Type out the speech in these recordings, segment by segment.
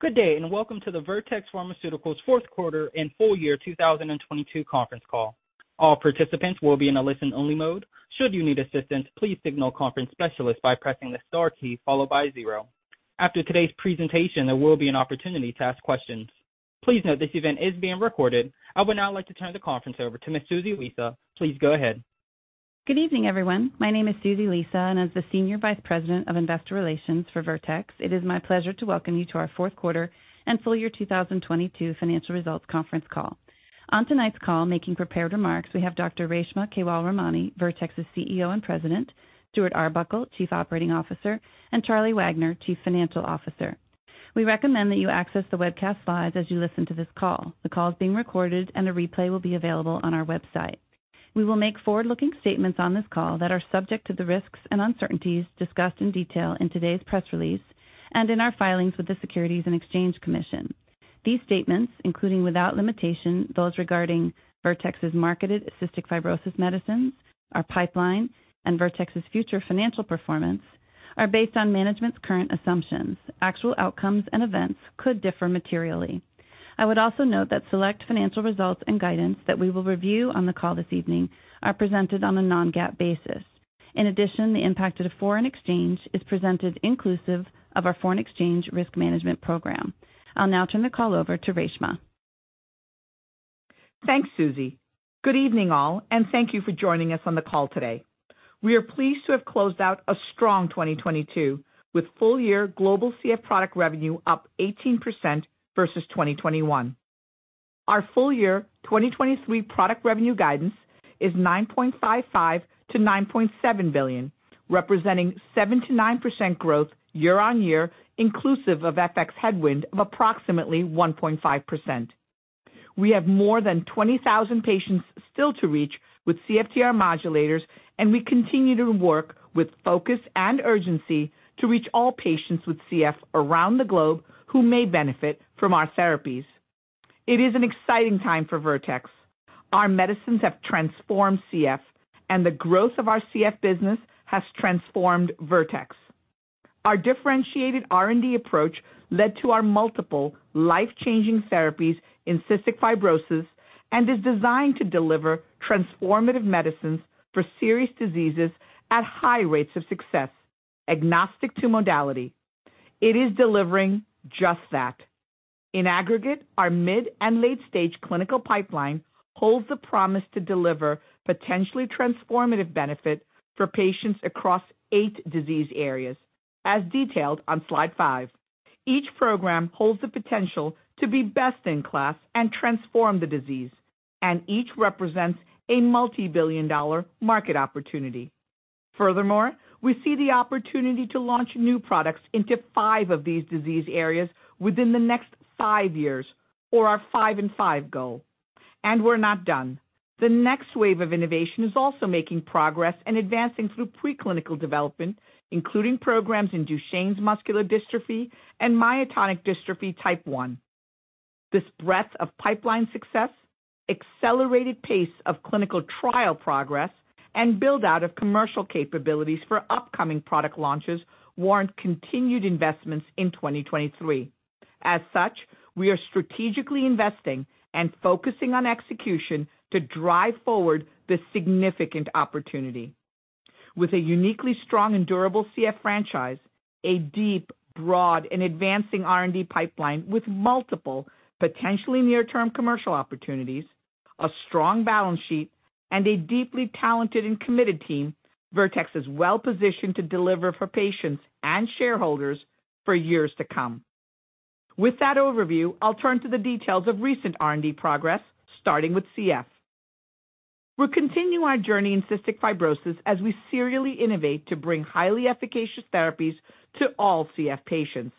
Good day, welcome to the Vertex Pharmaceuticals fourth quarter and full year 2022 conference call. All participants will be in a listen only mode. Should you need assistance, please signal conference specialist by pressing the star key followed by zero. After today's presentation, there will be an opportunity to ask questions. Please note this event is being recorded. I would now like to turn the conference over to Miss Susie Lisa. Please go ahead. Good evening, everyone. My name is Susie Lisa, as the Senior Vice President of Investor Relations for Vertex, it is my pleasure to welcome you to our fourth quarter and full year 2022 financial results conference call. On tonight's call, making prepared remarks, we have Dr. Reshma Kewalramani, Vertex's CEO and President, Stuart Arbuckle, Chief Operating Officer, and Charlie Wagner, Chief Financial Officer. We recommend that you access the webcast slides as you listen to this call. The call is being recorded and a replay will be available on our website. We will make forward-looking statements on this call that are subject to the risks and uncertainties discussed in detail in today's press release and in our filings with the Securities and Exchange Commission. These statements, including without limitation those regarding Vertex's marketed cystic fibrosis medicines, our pipeline, and Vertex's future financial performance, are based on management's current assumptions. Actual outcomes and events could differ materially. I would also note that select financial results and guidance that we will review on the call this evening are presented on a non-GAAP basis. In addition, the impact of the foreign exchange is presented inclusive of our foreign exchange risk management program. I'll now turn the call over to Reshma. Thanks, Suzy. Good evening, all, and thank you for joining us on the call today. We are pleased to have closed out a strong 2022 with full year global CF product revenue up 18% versus 2021. Our full year 2023 product revenue guidance is $9.55 billion-$9.7 billion, representing 7%-9% growth year-on-year inclusive of FX headwind of approximately 1.5%. We have more than 20,000 patients still to reach with CFTR modulators, and we continue to work with focus and urgency to reach all patients with CF around the globe who may benefit from our therapies. It is an exciting time for Vertex. Our medicines have transformed CF and the growth of our CF business has transformed Vertex. Our differentiated R&D approach led to our multiple life-changing therapies in cystic fibrosis and is designed to deliver transformative medicines for serious diseases at high rates of success, agnostic to modality. It is delivering just that. In aggregate, our mid and late-stage clinical pipeline holds the promise to deliver potentially transformative benefit for patients across eight disease areas, as detailed on slide five. Each program holds the potential to be best in class and transform the disease, each represents a multibillion-dollar market opportunity. Furthermore, we see the opportunity to launch new products into five of these disease areas within the next five years or our five in five goal. We're not done. The next wave of innovation is also making progress and advancing through preclinical development, including programs in Duchenne muscular dystrophy and myotonic dystrophy type one. This breadth of pipeline success, accelerated pace of clinical trial progress, and build out of commercial capabilities for upcoming product launches warrant continued investments in 2023. As such, we are strategically investing and focusing on execution to drive forward this significant opportunity. With a uniquely strong and durable CF franchise, a deep, broad and advancing R&D pipeline with multiple potentially near-term commercial opportunities, a strong balance sheet, and a deeply talented and committed team, Vertex is well-positioned to deliver for patients and shareholders for years to come. With that overview, I'll turn to the details of recent R&D progress, starting with CF. We continue our journey in cystic fibrosis as we serially innovate to bring highly efficacious therapies to all CF patients.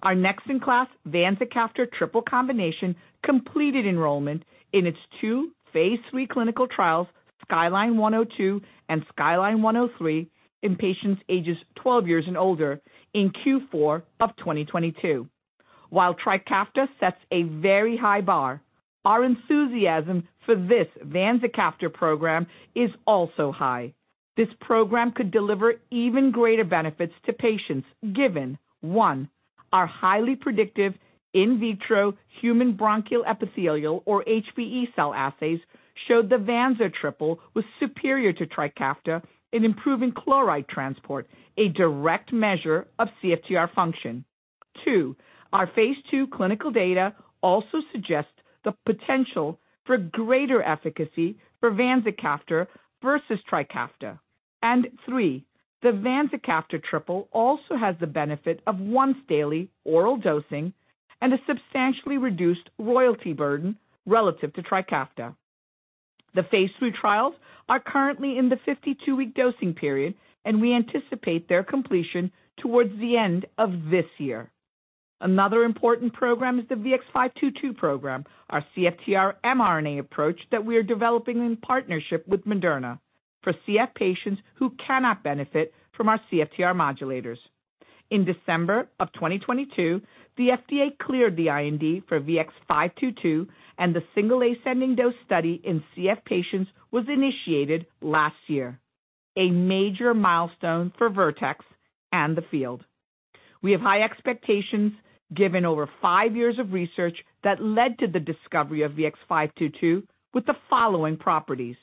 Our next in class vanzacaftor triple combination completed enrollment in its two phase III clinical trials, SKYLINE 102 and SKYLINE 103 in patients ages 12 years and older in Q4 of 2022. While TRIKAFTA sets a very high bar, our enthusiasm for this vanzacaftor program is also high. This program could deliver even greater benefits to patients given, one, our highly predictive in vitro human bronchial epithelial or HBE cell assays showed the vanza triple was superior to TRIKAFTA in improving chloride transport, a direct measure of CFTR function. Two, our phase II clinical data also suggests the potential for greater efficacy for vanzacaftor versus TRIKAFTA. Three, the vanzacaftor triple also has the benefit of once-daily oral dosing and a substantially reduced royalty burden relative to TRIKAFTA. The phase III trials are currently in the 52-week dosing period. We anticipate their completion towards the end of this year. Another important program is the VX-522 program, our CFTR mRNA approach that we are developing in partnership with Moderna for CF patients who cannot benefit from our CFTR modulators. In December of 2022, the FDA cleared the IND for VX-522. The single ascending dose study in CF patients was initiated last year. A major milestone for Vertex and the field. We have high expectations given over five years of research that led to the discovery of VX-522 with the following properties.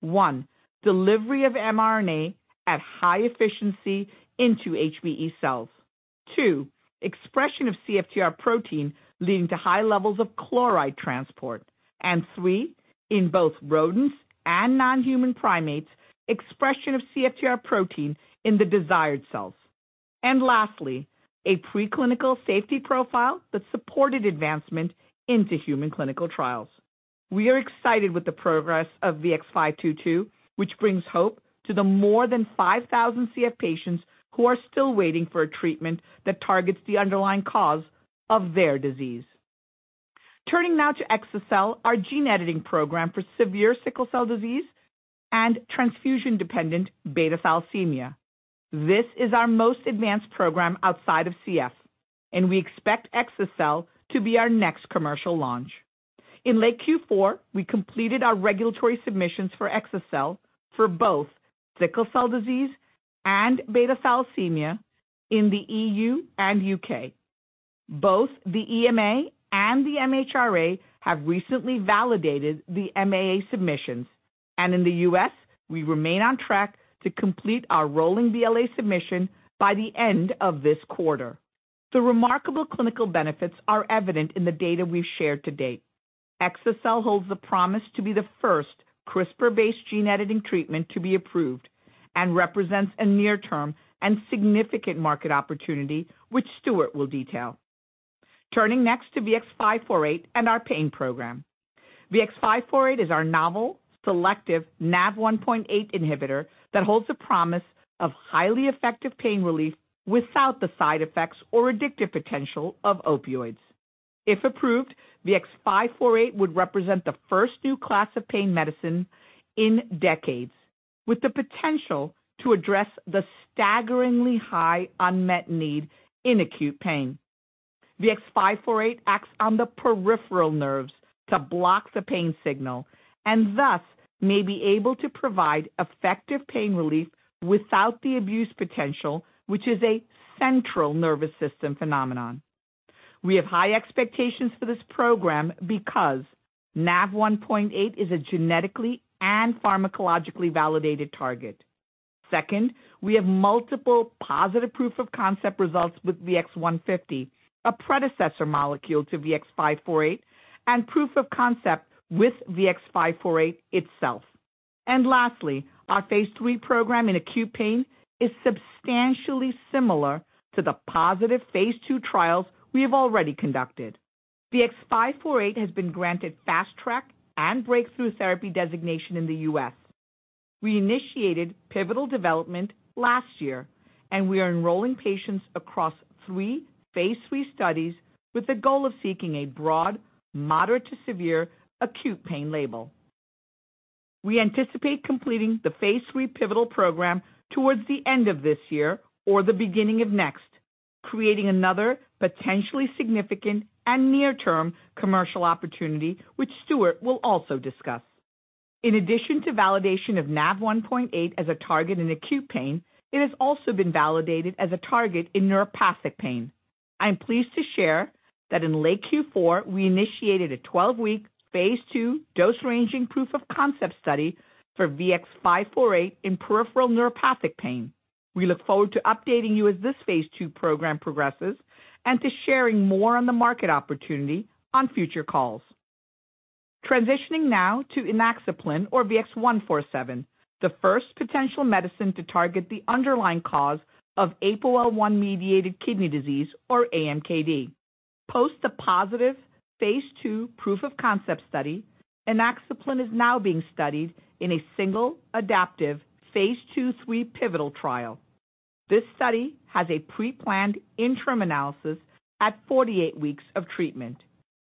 One, delivery of mRNA at high efficiency into HBE cells. Two, expression of CFTR protein leading to high levels of chloride transport. Three, in both rodents and non-human primates, expression of CFTR protein in the desired cells. Lastly, a preclinical safety profile that supported advancement into human clinical trials. We are excited with the progress of VX-522 which brings hope to the more than 5,000 CF patients who are still waiting for a treatment that targets the underlying cause of their disease. Turning now to exa-cel, our gene editing program for severe sickle cell disease and transfusion-dependent beta thalassemia. This is our most advanced program outside of CF, and we expect exa-cel to be our next commercial launch. In late Q4, we completed our regulatory submissions for exa-cel for both sickle cell disease and beta thalassemia in the EU and UK. Both the EMA and the MHRA have recently validated the MAA submissions, and in the U.S., we remain on track to complete our rolling BLA submission by the end of this quarter. The remarkable clinical benefits are evident in the data we've shared to date. Exa-cel holds the promise to be the first CRISPR-based gene editing treatment to be approved and represents a near-term and significant market opportunity which Stuart will detail. Turning next to VX-548 and our pain program. VX-548 is our novel selective NaV1.8 inhibitor that holds the promise of highly effective pain relief without the side effects or addictive potential of opioids. If approved, VX-548 would represent the first new class of pain medicine in decades, with the potential to address the staggeringly high unmet need in acute pain. VX-548 acts on the peripheral nerves to block the pain signal and thus may be able to provide effective pain relief without the abuse potential, which is a central nervous system phenomenon. We have high expectations for this program because NaV1.8 is a genetically and pharmacologically validated target. Second, we have multiple positive proof-of-concept results with VX-150, a predecessor molecule to VX-548, and proof of concept with VX-548 itself. Lastly, our phase III program in acute pain is substantially similar to the positive phase II trials we have already conducted. VX-548 has been granted Fast Track and Breakthrough Therapy Designation in the U.S. We initiated pivotal development last year, and we are enrolling patients across three phase III studies with the goal of seeking a broad, moderate to severe acute pain label. We anticipate completing the phase III pivotal program towards the end of this year or the beginning of next, creating another potentially significant and near-term commercial opportunity which Stuart will also discuss. In addition to validation of NaV1.8 as a target in acute pain, it has also been validated as a target in neuropathic pain. I am pleased to share that in late Q4, we initiated a 12-week phase II dose ranging proof-of-concept study for VX-548 in peripheral neuropathic pain. We look forward to updating you as this phase II program progresses and to sharing more on the market opportunity on future calls. Transitioning now to inaxaplin or VX-147, the first potential medicine to target the underlying cause of APOL1-mediated kidney disease or AMKD. Post the positive phase II proof-of-concept study, inaxaplin is now being studied in a single adaptive phase II/3 pivotal trial. This study has a preplanned interim analysis at 48 weeks of treatment,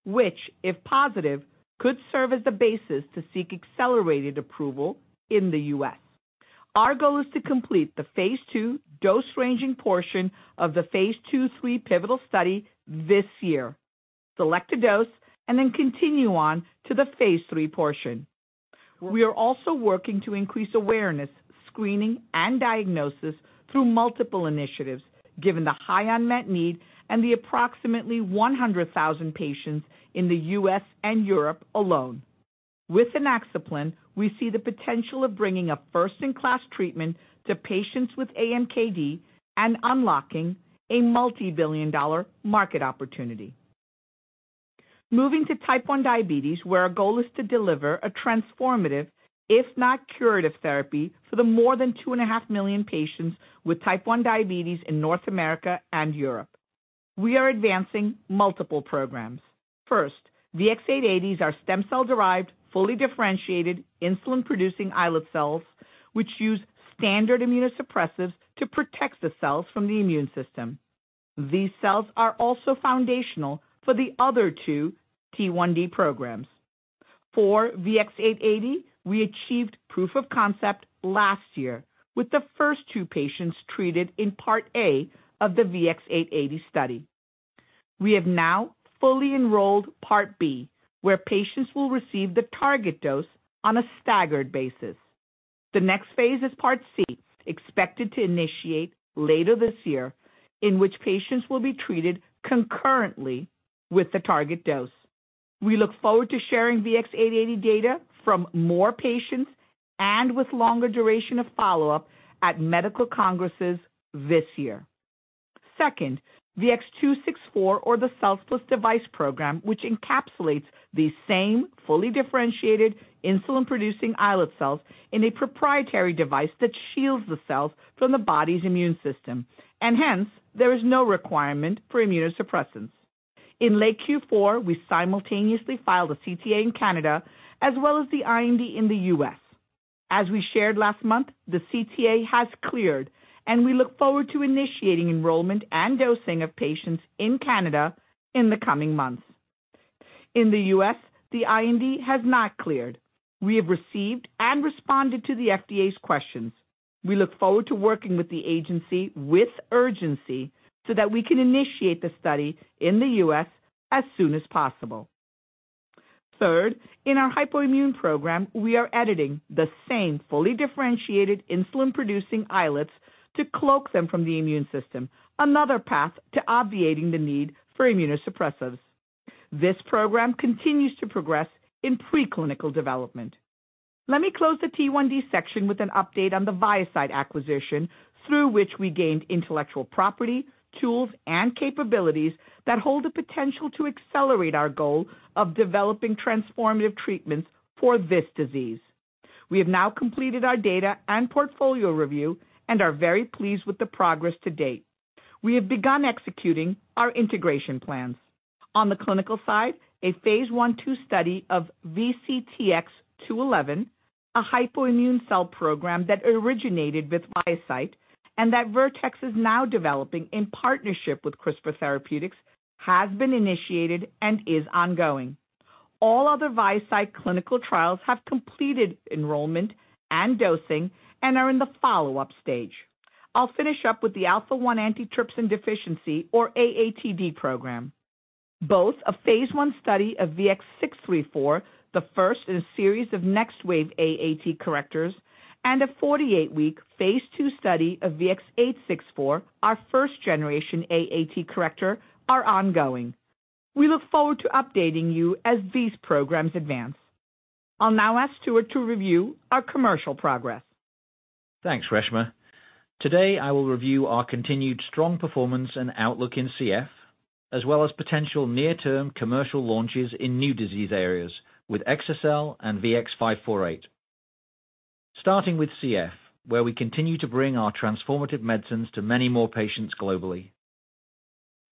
which, if positive, could serve as the basis to seek accelerated approval in the U.S. Our goal is to complete the phase II dose ranging portion of the phase II/3 pivotal study this year, select a dose, and then continue on to the phase III portion. We are also working to increase awareness, screening, and diagnosis through multiple initiatives given the high unmet need and the approximately 100,000 patients in the U.S. and Europe alone. With inaxaplin, we see the potential of bringing a first-in-class treatment to patients with AMKD and unlocking a multibillion-dollar market opportunity. Moving to type 1 diabetes where our goal is to deliver a transformative, if not curative therapy for the more than 2.5 million patients with type 1 diabetes in North America and Europe. We are advancing multiple programs. First, VX-880 is our stem cell-derived, fully differentiated insulin-producing islet cells which use standard immunosuppressants to protect the cells from the immune system. These cells are also foundational for the other two T1D programs. For VX-880, we achieved proof of concept last year with the first two patients treated in Part A of the VX-880 study. We have now fully enrolled Part B, where patients will receive the target dose on a staggered basis. The next phase is Part C, expected to initiate later this year, in which patients will be treated concurrently with the target dose. We look forward to sharing VX-880 data from more patients and with longer duration of follow-up at medical congresses this year. Second, VX-264 or the cells plus device program, which encapsulates the same fully differentiated insulin-producing islet cells in a proprietary device that shields the cells from the body's immune system, and hence, there is no requirement for immunosuppressants. In late Q4, we simultaneously filed a CTA in Canada as well as the IND in the US. As we shared last month, the CTA has cleared, and we look forward to initiating enrollment and dosing of patients in Canada in the coming months. In the U.S., the IND has not cleared. We have received and responded to the FDA's questions. We look forward to working with the agency with urgency so that we can initiate the study in the U.S. as soon as possible. Third, in our hypoimmune program, we are editing the same fully differentiated insulin-producing islets to cloak them from the immune system, another path to obviating the need for immunosuppressants. This program continues to progress in preclinical development. Let me close the T1D section with an update on the ViaCyte acquisition through which we gained intellectual property, tools and capabilities that hold the potential to accelerate our goal of developing transformative treatments for this disease. We have now completed our data and portfolio review and are very pleased with the progress to date. We have begun executing our integration plans. On the clinical side, a phase I/2 study of VCTX211, a hypoimmune cell program that originated with ViaCyte and that Vertex is now developing in partnership with CRISPR Therapeutics, has been initiated and is ongoing. All other ViaCyte clinical trials have completed enrollment and dosing and are in the follow-up stage. I'll finish up with the alpha-1 antitrypsin deficiency or AATD program. Both a phase I study of VX-634, the first in a series of next-wave AAT correctors, and a 48-week phase II study of VX-864, our first generation AAT corrector, are ongoing. We look forward to updating you as these programs advance. I'll now ask Stuart to review our commercial progress. Thanks, Reshma. Today, I will review our continued strong performance and outlook in CF, as well as potential near-term commercial launches in new disease areas with exa-cel and VX-548. Starting with CF, where we continue to bring our transformative medicines to many more patients globally.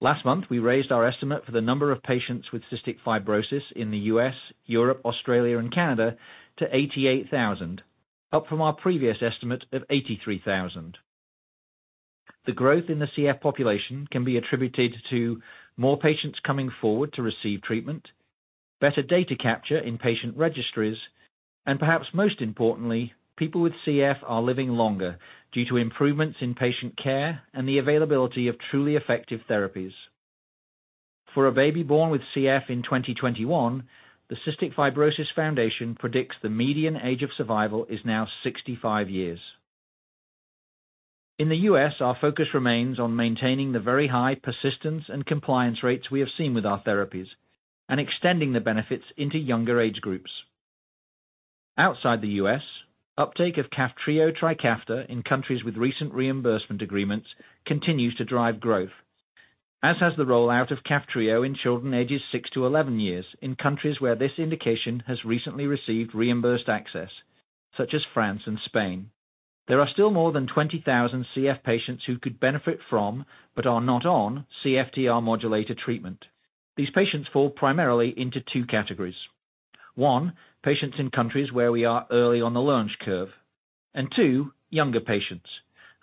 Last month, we raised our estimate for the number of patients with cystic fibrosis in the U.S., Europe, Australia and Canada to 88,000, up from our previous estimate of 83,000. The growth in the CF population can be attributed to more patients coming forward to receive treatment, better data capture in patient registries, and perhaps most importantly, people with CF are living longer due to improvements in patient care and the availability of truly effective therapies. For a baby born with CF in 2021, the Cystic Fibrosis Foundation predicts the median age of survival is now 65 years. In the U.S., our focus remains on maintaining the very high persistence and compliance rates we have seen with our therapies and extending the benefits into younger age groups. Outside the U.S., uptake of KAFTRIO/TRIKAFTA in countries with recent reimbursement agreements continues to drive growth, as has the rollout of KAFTRIO in children ages six to 11 years in countries where this indication has recently received reimbursed access, such as France and Spain. There are still more than 20,000 CF patients who could benefit from, but are not on, CFTR modulator treatment. These patients fall primarily into two categories. One, patients in countries where we are early on the launch curve. Two, younger patients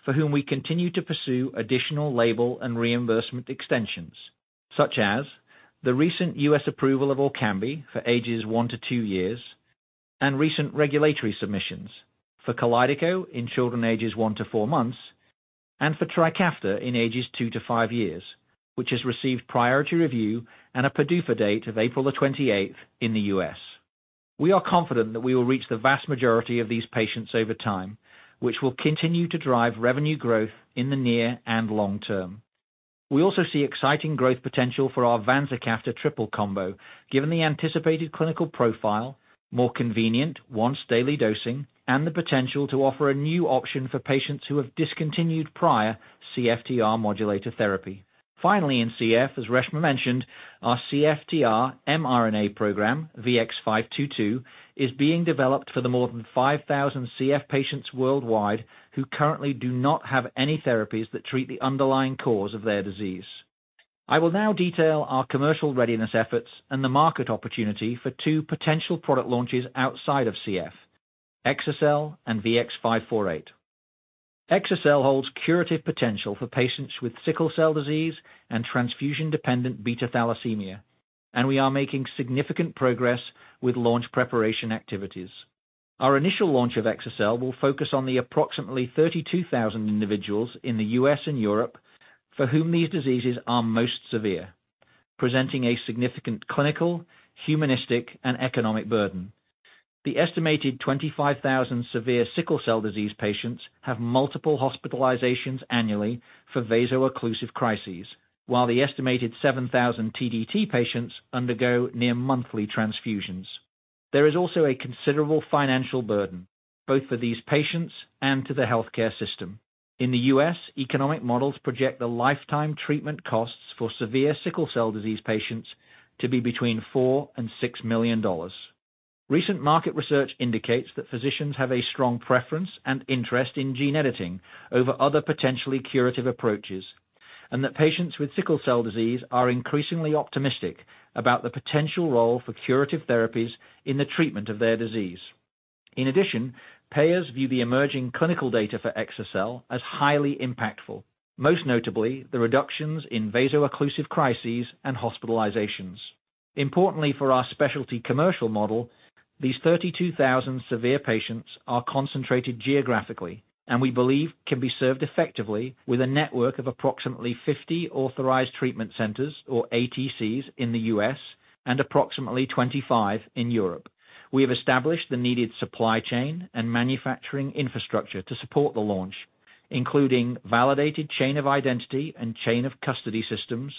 for whom we continue to pursue additional label and reimbursement extensions, such as the recent U.S. approval of ORKAMBI for ages one to two years and recent regulatory submissions for KALYDECO in children ages one to four months and for TRIKAFTA in ages two to five years, which has received priority review and a PDUFA date of April 28th in the U.S. We are confident that we will reach the vast majority of these patients over time, which will continue to drive revenue growth in the near and long term. We also see exciting growth potential for our vanzacaftor triple combo, given the anticipated clinical profile, more convenient once-daily dosing, and the potential to offer a new option for patients who have discontinued prior CFTR modulator therapy. Finally, in CF, as Reshma mentioned, our CFTR mRNA program, VX-522, is being developed for the more than 5,000 CF patients worldwide who currently do not have any therapies that treat the underlying cause of their disease. I will now detail our commercial readiness efforts and the market opportunity for two potential product launches outside of CF, exa-cel and VX-548. Exa-cel holds curative potential for patients with sickle cell disease and transfusion-dependent beta thalassemia, and we are making significant progress with launch preparation activities. Our initial launch of exa-cel will focus on the approximately 32,000 individuals in the US and Europe for whom these diseases are most severe, presenting a significant clinical, humanistic, and economic burden. The estimated 25,000 severe sickle cell disease patients have multiple hospitalizations annually for vaso-occlusive crises, while the estimated 7,000 TDT patients undergo near-monthly transfusions. There is also a considerable financial burden both for these patients and to the healthcare system. In the U.S., economic models project the lifetime treatment costs for severe sickle cell disease patients to be between $4 million and $6 million. Recent market research indicates that physicians have a strong preference and interest in gene editing over other potentially curative approaches, and that patients with sickle cell disease are increasingly optimistic about the potential role for curative therapies in the treatment of their disease. In addition, payers view the emerging clinical data for exa-cel as highly impactful, most notably the reductions in vaso-occlusive crises and hospitalizations. Importantly for our specialty commercial model, these 32,000 severe patients are concentrated geographically and we believe can be served effectively with a network of approximately 50 authorized treatment centers, or ATCs, in the U.S. and approximately 25 in Europe. We have established the needed supply chain and manufacturing infrastructure to support the launch, including validated chain of identity and chain of custody systems,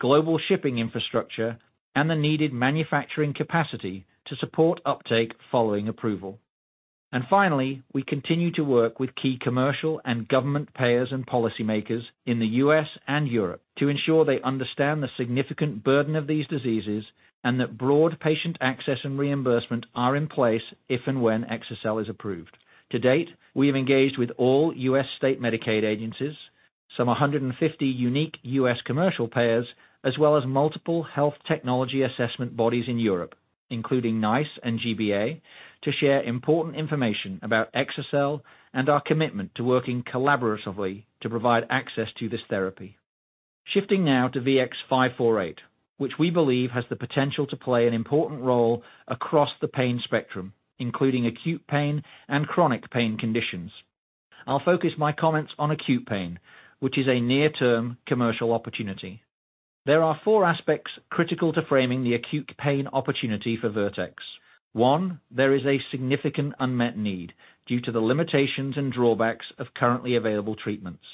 global shipping infrastructure, and the needed manufacturing capacity to support uptake following approval. Finally, we continue to work with key commercial and government payers and policymakers in the U.S. and Europe to ensure they understand the significant burden of these diseases and that broad patient access and reimbursement are in place if and when exa-cel is approved. To date, we have engaged with all U.S. state Medicaid agencies, some 150 unique U.S. commercial payers, as well as multiple health technology assessment bodies in Europe, including NICE and G-BA, to share important information about exa-cel and our commitment to working collaboratively to provide access to this therapy. Shifting now to VX-548, which we believe has the potential to play an important role across the pain spectrum, including acute pain and chronic pain conditions. I'll focus my comments on acute pain, which is a near-term commercial opportunity. There are four aspects critical to framing the acute pain opportunity for Vertex Pharmaceuticals. One, there is a significant unmet need due to the limitations and drawbacks of currently available treatments.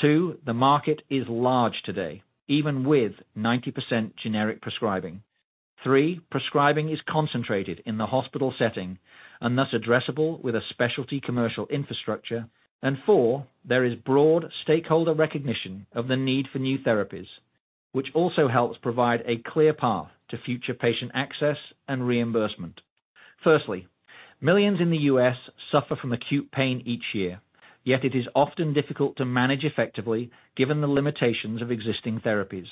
Two, the market is large today, even with 90% generic prescribing. Three, prescribing is concentrated in the hospital setting and thus addressable with a specialty commercial infrastructure. Four, there is broad stakeholder recognition of the need for new therapies, which also helps provide a clear path to future patient access and reimbursement. Firstly, millions in the U.S. suffer from acute pain each year, yet it is often difficult to manage effectively given the limitations of existing therapies.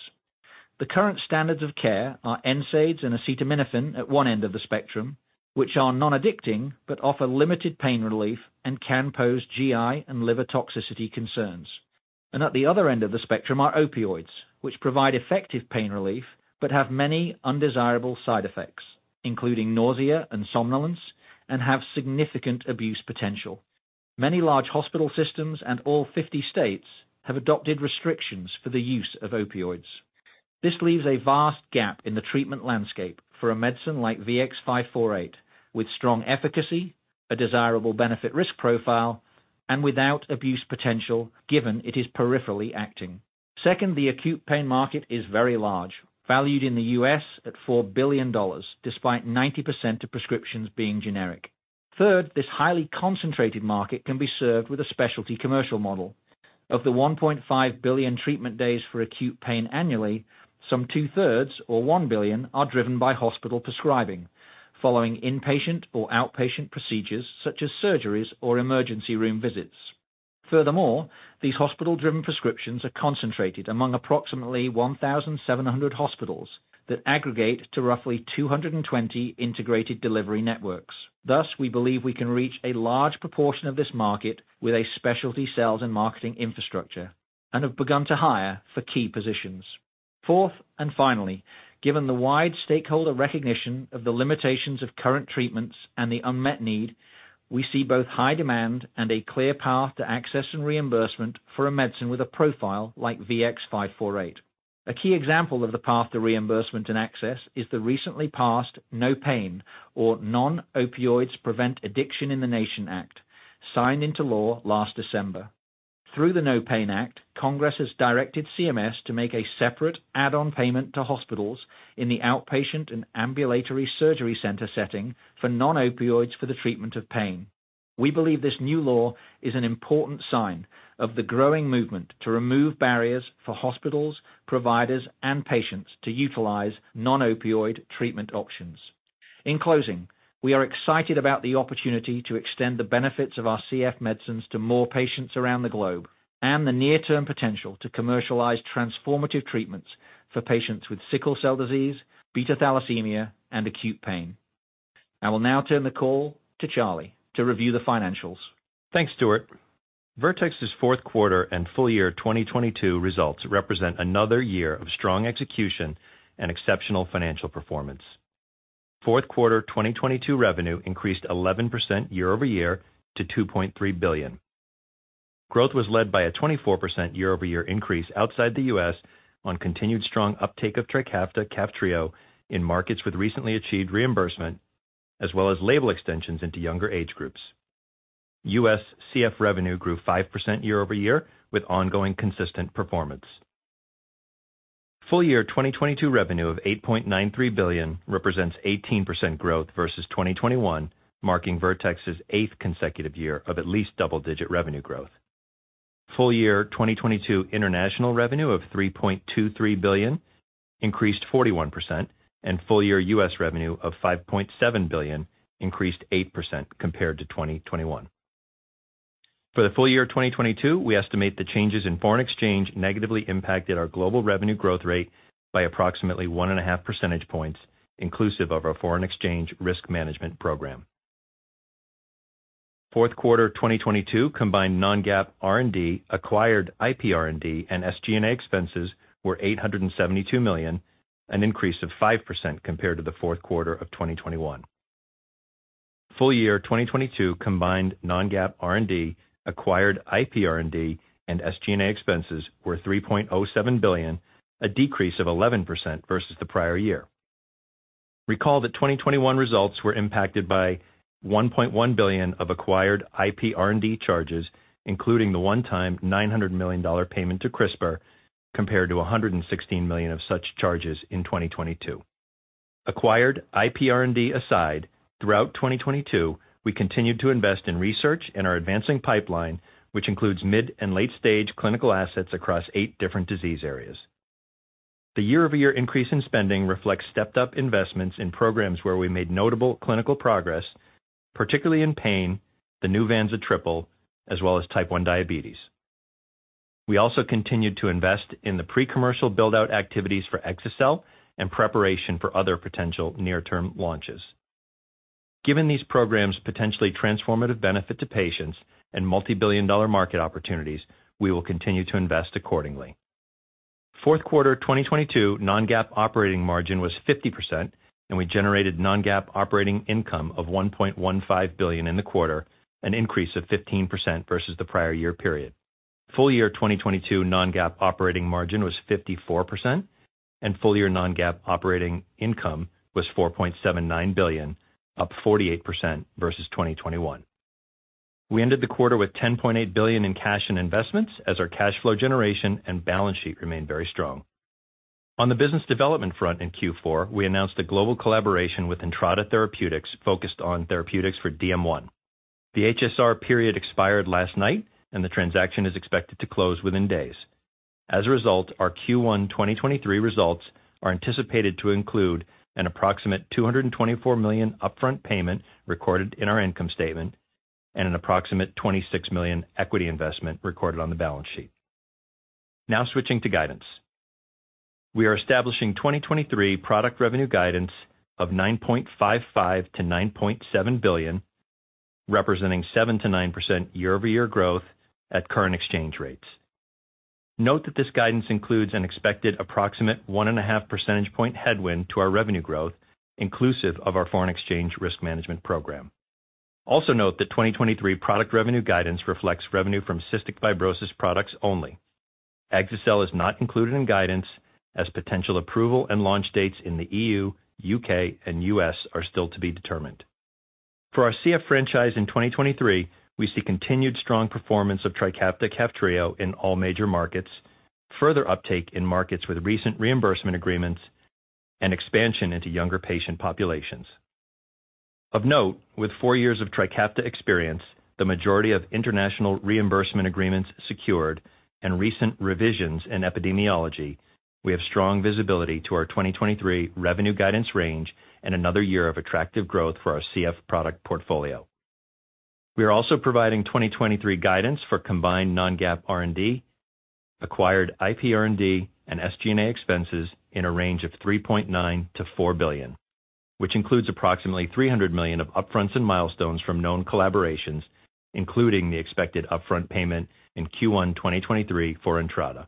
The current standards of care are NSAIDs and acetaminophen at one end of the spectrum, which are non-addicting but offer limited pain relief and can pose GI and liver toxicity concerns. At the other end of the spectrum are opioids, which provide effective pain relief but have many undesirable side effects, including nausea and somnolence, and have significant abuse potential. Many large hospital systems and all 50 states have adopted restrictions for the use of opioids. This leaves a vast gap in the treatment landscape for a medicine like VX-548, with strong efficacy, a desirable benefit-risk profile, and without abuse potential given it is peripherally acting. Second, the acute pain market is very large, valued in the US at $4 billion, despite 90% of prescriptions being generic. Third, this highly concentrated market can be served with a specialty commercial model. Of the 1.5 billion treatment days for acute pain annually, some two-thirds, or 1 billion, are driven by hospital prescribing following inpatient or outpatient procedures such as surgeries or emergency room visits. Furthermore, these hospital-driven prescriptions are concentrated among approximately 1,700 hospitals that aggregate to roughly 220 integrated delivery networks. Thus, we believe we can reach a large proportion of this market with a specialty sales and marketing infrastructure and have begun to hire for key positions. Fourth, finally, given the wide stakeholder recognition of the limitations of current treatments and the unmet need, we see both high demand and a clear path to access and reimbursement for a medicine with a profile like VX-548. A key example of the path to reimbursement and access is the recently passed NOPAIN, or Non-Opioids Prevent Addiction in the Nation Act, signed into law last December. Through the NOPAIN Act, Congress has directed CMS to make a separate add-on payment to hospitals in the outpatient and ambulatory surgery center setting for non-opioids for the treatment of pain. We believe this new law is an important sign of the growing movement to remove barriers for hospitals, providers, and patients to utilize non-opioid treatment options. In closing, we are excited about the opportunity to extend the benefits of our CF medicines to more patients around the globe and the near-term potential to commercialize transformative treatments for patients with sickle cell disease, beta thalassemia, and acute pain. I will now turn the call to Charlie to review the financials. Thanks, Stuart. Vertex's fourth quarter and full year 2022 results represent another year of strong execution and exceptional financial performance. Fourth quarter 2022 revenue increased 11% year-over-year to $2.3 billion. Growth was led by a 24% year-over-year increase outside the U.S. on continued strong uptake of Trikafta/Kaftrio in markets with recently achieved reimbursement, as well as label extensions into younger age groups. U.S. CF revenue grew 5% year-over-year with ongoing consistent performance. Full year 2022 revenue of $8.93 billion represents 18% growth versus 2021, marking Vertex's eighth consecutive year of at least double-digit revenue growth. Full year 2022 international revenue of $3.23 billion increased 41% and full year U.S. revenue of $5.7 billion increased 8% compared to 2021. For the full year 2022, we estimate the changes in foreign exchange negatively impacted our global revenue growth rate by approximately 1.5 percentage points, inclusive of our foreign exchange risk management program. Fourth quarter 2022 combined non-GAAP, R&D, acquired IPR&D, and SG&A expenses were $872 million, an increase of 5% compared to the Fourth quarter of 2021. Full year 2022 combined non-GAAP, R&D, acquired IPR&D, and SG&A expenses were $3.07 billion, a decrease of 11% versus the prior year. Recall that 2021 results were impacted by $1.1 billion of acquired IPR&D charges, including the one-time $900 million payment to CRISPR, compared to $116 million of such charges in 2022. Acquired IPR&D aside, throughout 2022, we continued to invest in research and our advancing pipeline, which includes mid and late-stage clinical assets across eight different disease areas. The year-over-year increase in spending reflects stepped-up investments in programs where we made notable clinical progress, particularly in pain, the new vanza triple, as well as type one diabetes. We also continued to invest in the pre-commercial build-out activities for exa-cel and preparation for other potential near-term launches. Given these programs' potentially transformative benefit to patients and multibillion-dollar market opportunities, we will continue to invest accordingly. Fourth quarter 2022 non-GAAP operating margin was 50%, and we generated non-GAAP operating income of $1.15 billion in the quarter, an increase of 15% versus the prior year period. Full year 2022 non-GAAP operating margin was 54% and full year non-GAAP operating income was $4.79 billion, up 48% versus 2021. We ended the quarter with $10.8 billion in cash and investments as our cash flow generation and balance sheet remained very strong. On the business development front in Q4, we announced a global collaboration with Entrada Therapeutics focused on therapeutics for DM1. The HSR period expired last night, and the transaction is expected to close within days. As a result, our Q1 2023 results are anticipated to include an approximate $224 million upfront payment recorded in our income statement and an approximate $26 million equity investment recorded on the balance sheet. Now switching to guidance. We are establishing 2023 product revenue guidance of $9.55 billion-$9.7 billion, representing 7%-9% year-over-year growth at current exchange rates. Note that this guidance includes an expected approximate 1.5 percentage point headwind to our revenue growth, inclusive of our foreign exchange risk management program. Also note that 2023 product revenue guidance reflects revenue from cystic fibrosis products only. exa-cel is not included in guidance as potential approval and launch dates in the EU, U.K., and U.S. are still to be determined. For our CF franchise in 2023, we see continued strong performance of TRIKAFTA/KAFTRIO in all major markets, further uptake in markets with recent reimbursement agreements, and expansion into younger patient populations. Of note, with four years of TRIKAFTA experience, the majority of international reimbursement agreements secured, and recent revisions in epidemiology, we have strong visibility to our 2023 revenue guidance range and another year of attractive growth for our CF product portfolio. We are also providing 2023 guidance for combined non-GAAP, R&D, acquired IPR&D, and SG&A expenses in a range of $3.9 billion-$4 billion, which includes approximately $300 million of upfronts and milestones from known collaborations, including the expected upfront payment in Q1 2023 for Entrada.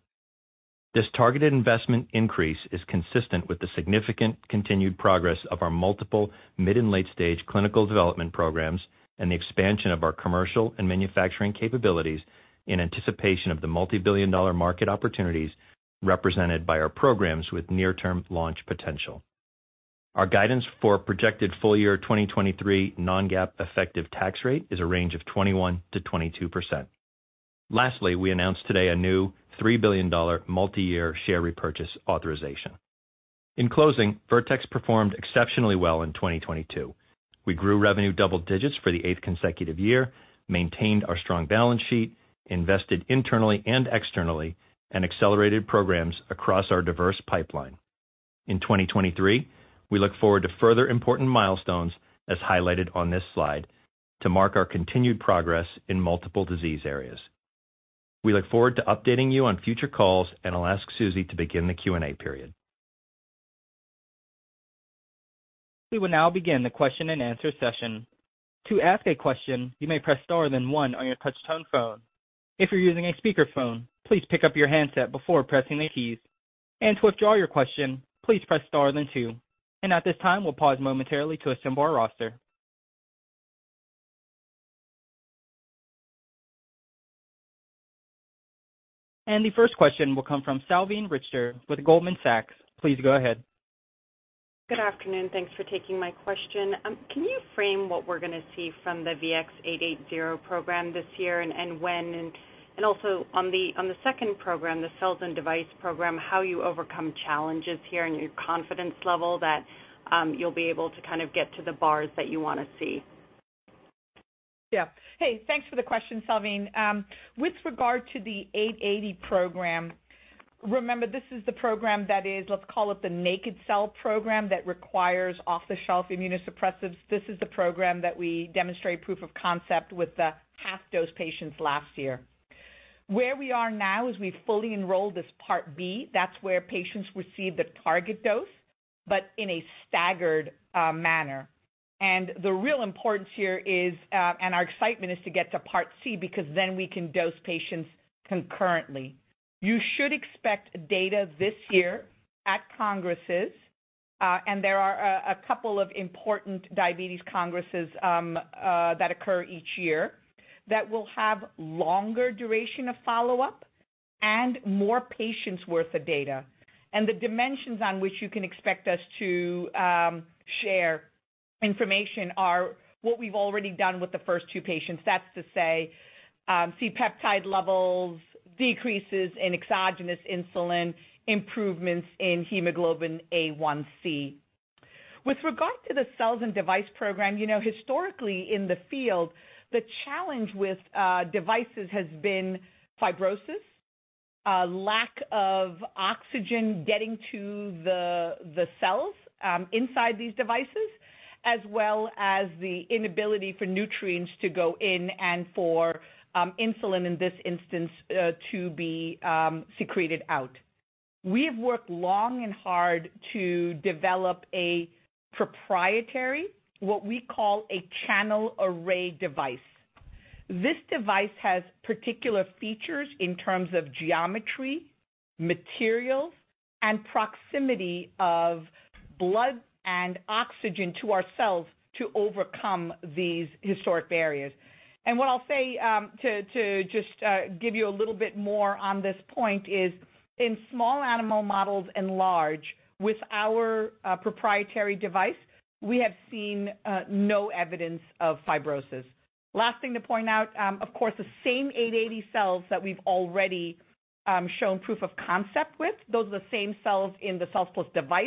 This targeted investment increase is consistent with the significant continued progress of our multiple mid and late-stage clinical development programs and the expansion of our commercial and manufacturing capabilities in anticipation of the multibillion-dollar market opportunities represented by our programs with near-term launch potential. Our guidance for projected full year 2023 non-GAAP effective tax rate is a range of 21%-22%. Lastly, we announced today a new $3 billion multi-year share repurchase authorization. In closing, Vertex performed exceptionally well in 2022. We grew revenue double digits for the eighth consecutive year, maintained our strong balance sheet, invested internally and externally, accelerated programs across our diverse pipeline. In 2023, we look forward to further important milestones as highlighted on this slide to mark our continued progress in multiple disease areas. We look forward to updating you on future calls, I'll ask Susie to begin the Q&A period. We will now begin the question-and-answer session. To ask a question, you may press star then one on your touchtone phone. If you're using a speakerphone, please pick up your handset before pressing the keys. To withdraw your question, please press star then two. At this time, we'll pause momentarily to assemble our roster. The first question will come from Salveen Richter with Goldman Sachs. Please go ahead. Good afternoon. Thanks for taking my question. Can you frame what we're gonna see from the VX-880 program this year and when? Also on the second program, the cells and device program, how you overcome challenges here and your confidence level that you'll be able to kind of get to the bars that you wanna see. Yeah. Hey, thanks for the question, Salveen Richter. With regard to the VX-880 program, remember, this is the program that is, let's call it the naked cell program that requires off-the-shelf immunosuppressants. This is the program that we demonstrated proof of concept with the half dose patients last year. Where we are now is we've fully enrolled as Part B. That's where patients receive the target dose, but in a staggered manner. The real importance here is, and our excitement is to get to Part C because then we can dose patients concurrently. You should expect data this year at Congresses, and there are a couple of important diabetes congresses that occur each year that will have longer duration of follow-up and more patients worth of data. The dimensions on which you can expect us to share information are what we've already done with the first two patients. That's to say, C-peptide levels, decreases in exogenous insulin, improvements in hemoglobin A1c. With regard to the cells and device program, you know, historically in the field, the challenge with devices has been fibrosis, lack of oxygen getting to the cells inside these devices, as well as the inability for nutrients to go in and for insulin in this instance to be secreted out. We have worked long and hard to develop a proprietary, what we call a channel array device. This device has particular features in terms of geometry, materials, and proximity of blood and oxygen to our cells to overcome these historic barriers. What I'll say, to just give you a little bit more on this point is, in small animal models and large, with our proprietary device, we have seen no evidence of fibrosis. Last thing to point out, of course, the same 880 cells that we've already shown proof of concept with, those are the same cells in the cells plus device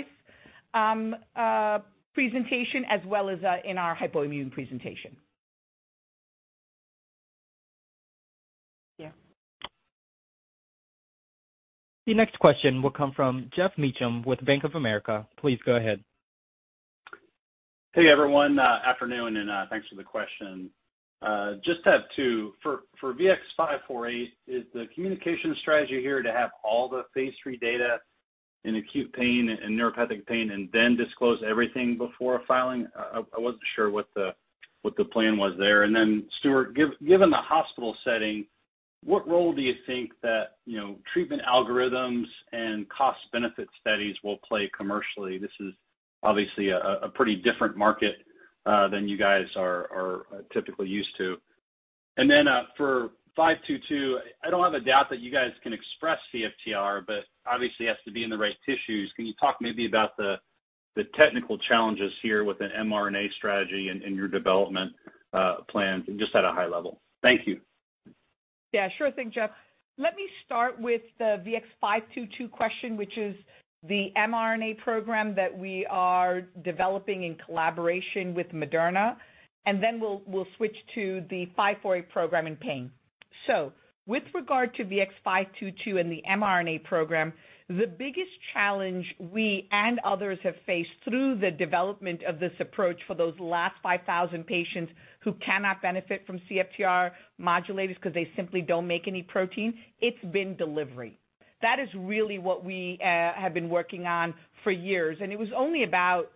presentation as well as in our hypoimmune presentation. Yeah. The next question will come from Geoff Meacham with Bank of America. Please go ahead. Hey, everyone. Afternoon, thanks for the question. Just have two. For VX-548, is the communication strategy here to have all the phase III data in acute pain and neuropathic pain and then disclose everything before filing? I wasn't sure what the plan was there. Stuart, given the hospital setting, what role do you think that, you know, treatment algorithms and cost benefit studies will play commercially? This is obviously a pretty different market than you guys are typically used to. For VX-522, I don't have a doubt that you guys can express CFTR, but obviously it has to be in the right tissues. Can you talk maybe about the technical challenges here with an mRNA strategy and your development plans just at a high level? Thank you. Yeah, sure thing, Geoff. Let me start with the VX-522 question, which is the mRNA program that we are developing in collaboration with Moderna. Then we'll switch to the VX-548 program in pain. With regard to VX-522 and the mRNA program, the biggest challenge we and others have faced through the development of this approach for those last 5,000 patients who cannot benefit from CFTR modulators 'cause they simply don't make any protein, it's been delivery. That is really what we have been working on for years. It was only about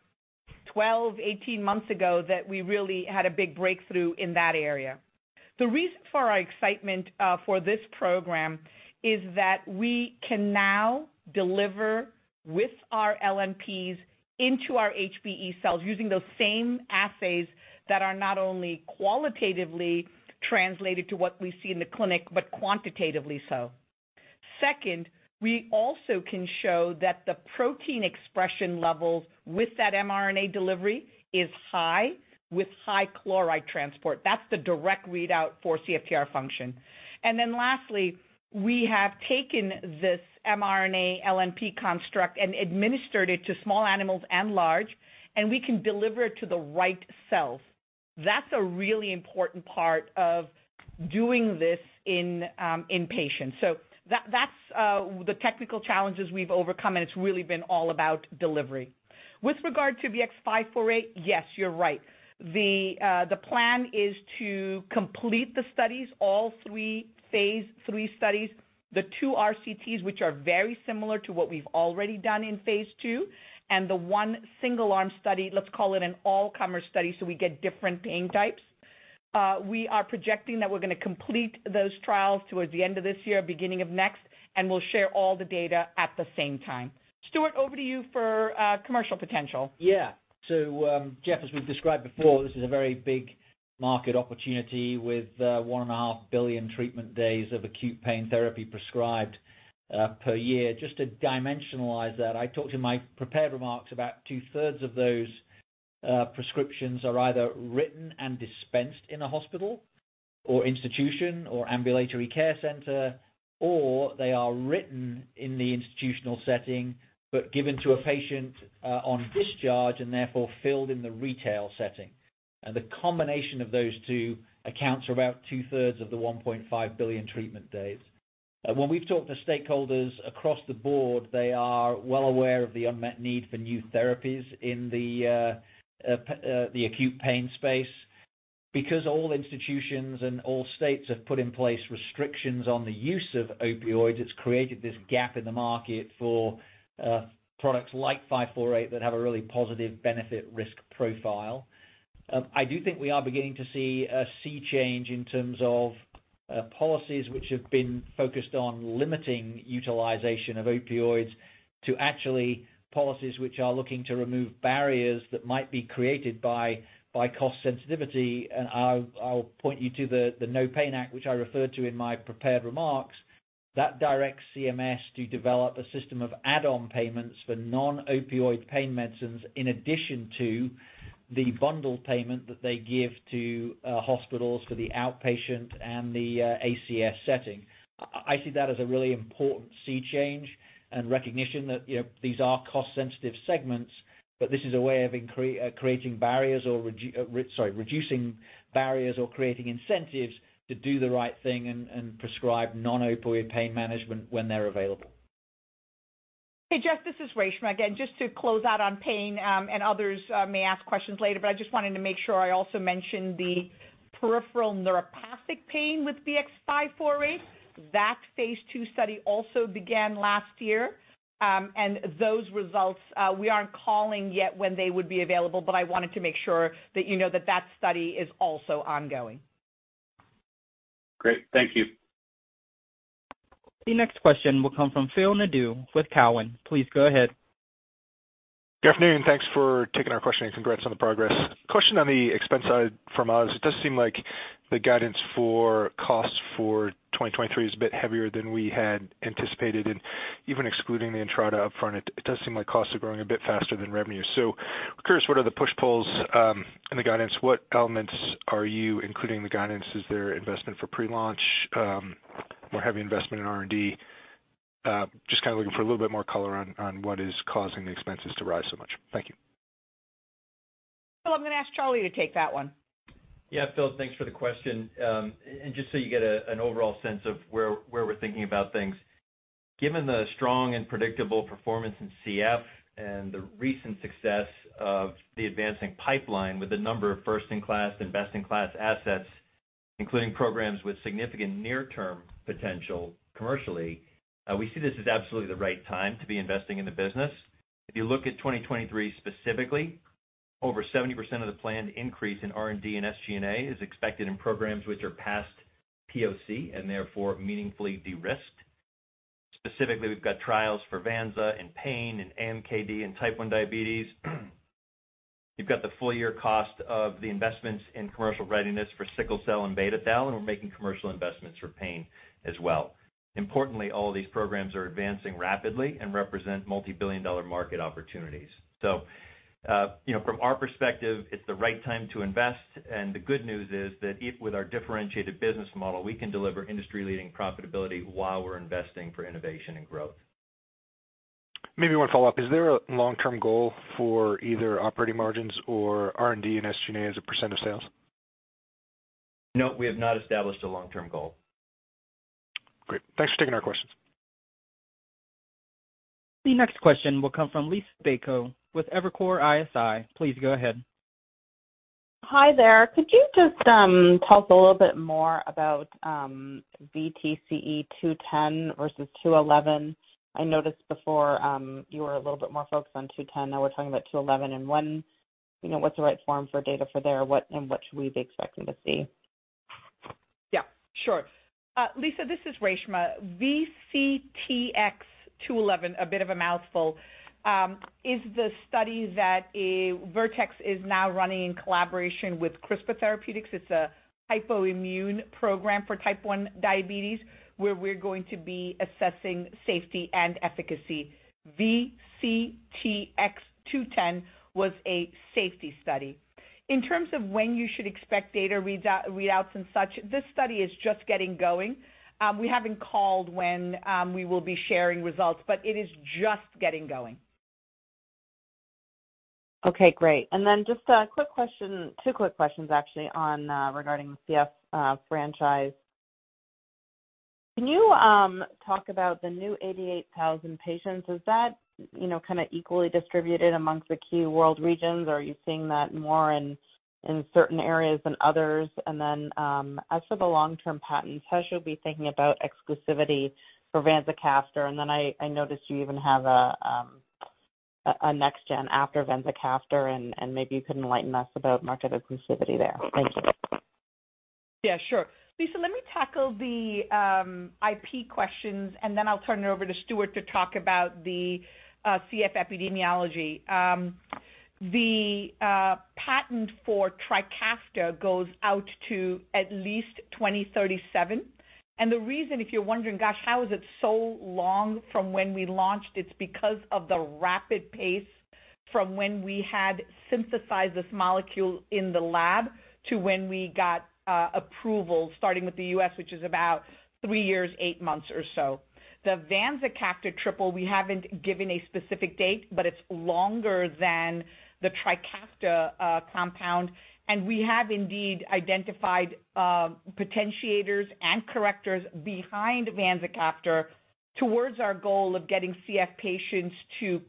12, 18 months ago that we really had a big breakthrough in that area. The reason for our excitement for this program is that we can now deliver with our LNPs into our HBE cells using those same assays that are not only qualitatively translated to what we see in the clinic, but quantitatively so. We also can show that the protein expression levels with that mRNA delivery is high, with high chloride transport. That's the direct readout for CFTR function. Lastly, we have taken this mRNA LNP construct and administered it to small animals and large, and we can deliver it to the right cells. That's a really important part of doing this in patients. That's the technical challenges we've overcome, and it's really been all about delivery. With regard to VX-548, yes, you're right. The plan is to complete the studies, all three phase III studies. The two RCTs, which are very similar to what we've already done in phase II, and the one single arm study, let's call it an all-comer study. We get different pain types. We are projecting that we're gonna complete those trials towards the end of this year, beginning of next, and we'll share all the data at the same time. Stuart, over to you for commercial potential. Yeah. Geoff, as we've described before, this is a very big market opportunity with $1.5 billion treatment days of acute pain therapy prescribed per year. Just to dimensionalize that, I talked in my prepared remarks about two-thirds of those prescriptions are either written and dispensed in a hospital or institution or ambulatory care center, or they are written in the institutional setting, but given to a patient on discharge and therefore filled in the retail setting. The combination of those two accounts for about two-thirds of the $1.5 billion treatment days. When we've talked to stakeholders across the board, they are well aware of the unmet need for new therapies in the acute pain space. Because all institutions and all states have put in place restrictions on the use of opioids, it's created this gap in the market for products like VX-548 that have a really positive benefit risk profile. I do think we are beginning to see a sea change in terms of policies which have been focused on limiting utilization of opioids to actually policies which are looking to remove barriers that might be created by cost sensitivity. I'll point you to the NOPAIN Act, which I referred to in my prepared remarks. That directs CMS to develop a system of add-on payments for non-opioid pain medicines in addition to the bundle payment that they give to hospitals for the outpatient and the ASC setting. I see that as a really important sea change and recognition that, you know, these are cost-sensitive segments, but this is a way of creating barriers or reducing barriers or creating incentives to do the right thing and prescribe non-opioid pain management when they're available. Hey, Geoff, this is Reshma again. Just to close out on pain, others may ask questions later, I just wanted to make sure I also mentioned the peripheral neuropathic pain with VX-548. That phase II study also began last year, those results, we aren't calling yet when they would be available, I wanted to make sure that you know that study is also ongoing. Great. Thank you. The next question will come from Phil Nadeau with Cowen. Please go ahead. Good afternoon. Thanks for taking our question. Congrats on the progress. Question on the expense side from us. It does seem like the guidance for costs for 2023 is a bit heavier than we had anticipated. Even excluding the Entrada upfront, it does seem like costs are growing a bit faster than revenue. Curious, what are the push-pulls in the guidance? What elements are you including in the guidance? Is there investment for pre-launch, more heavy investment in R&D? Just kinda looking for a little bit more color on what is causing the expenses to rise so much. Thank you. Phil, I'm gonna ask Charlie to take that one. Yeah, Phil, thanks for the question. Just so you get an overall sense of where we're thinking about things. Given the strong and predictable performance in CF and the recent success of the advancing pipeline with a number of first-in-class and best-in-class assets, including programs with significant near-term potential commercially, we see this as absolutely the right time to be investing in the business. If you look at 2023 specifically, over 70% of the planned increase in R&D and SG&A is expected in programs which are past POC and therefore meaningfully de-risked. Specifically, we've got trials for Vanza in pain and AMKD in type 1 diabetes. You've got the full year cost of the investments in commercial readiness for sickle cell and betathal, and we're making commercial investments for pain as well. Importantly, all of these programs are advancing rapidly and represent multi-billion-dollar market opportunities. You know, from our perspective, it's the right time to invest, and the good news is that with our differentiated business model, we can deliver industry-leading profitability while we're investing for innovation and growth. Maybe one follow-up. Is there a long-term goal for either operating margins or R&D and SG&A as a % of sales? No, we have not established a long-term goal. Great. Thanks for taking our questions. The next question will come from Liisa Bayko with Evercore ISI. Please go ahead. Hi there. Could you just tell us a little bit more about VCTX210 versus VCTX211? I noticed before, you were a little bit more focused on VCTX210. Now we're talking about VCTX211 and when, you know, what's the right form for data for there, what and what should we be expecting to see? Yeah, sure. Lisa, this is Reshma. VCTX211, a bit of a mouthful, is the study that a Vertex is now running in collaboration with CRISPR Therapeutics. It's a hypoimmune program for type 1 diabetes, where we're going to be assessing safety and efficacy. VCTX210 was a safety study. In terms of when you should expect data readouts and such, this study is just getting going. We haven't called when we will be sharing results, but it is just getting going. Okay, great. Just a quick question, two quick questions actually on, regarding the CF, franchise. Can you, talk about the new 88,000 patients? Is that, you know, kinda equally distributed amongst the key world regions? Are you seeing that more in certain areas than others? As for the long-term patents, how should we be thinking about exclusivity for vanzacaftor? I noticed you even have a next gen after vanzacaftor and maybe you could enlighten us about market exclusivity there. Thank you. Yeah, sure. Liisa, let me tackle the IP questions, and then I'll turn it over to Stuart to talk about the CF epidemiology. The patent for TRIKAFTA goes out to at least 2037. The reason, if you're wondering, "Gosh, how is it so long from when we launched?" It's because of the rapid pace from when we had synthesized this molecule in the lab to when we got approval, starting with the U.S., which is about three years, eight months or so. The vanzacaftor triple, we haven't given a specific date, but it's longer than the TRIKAFTA compound. We have indeed identified potentiators and correctors behind vanzacaftor towards our goal of getting CF patients to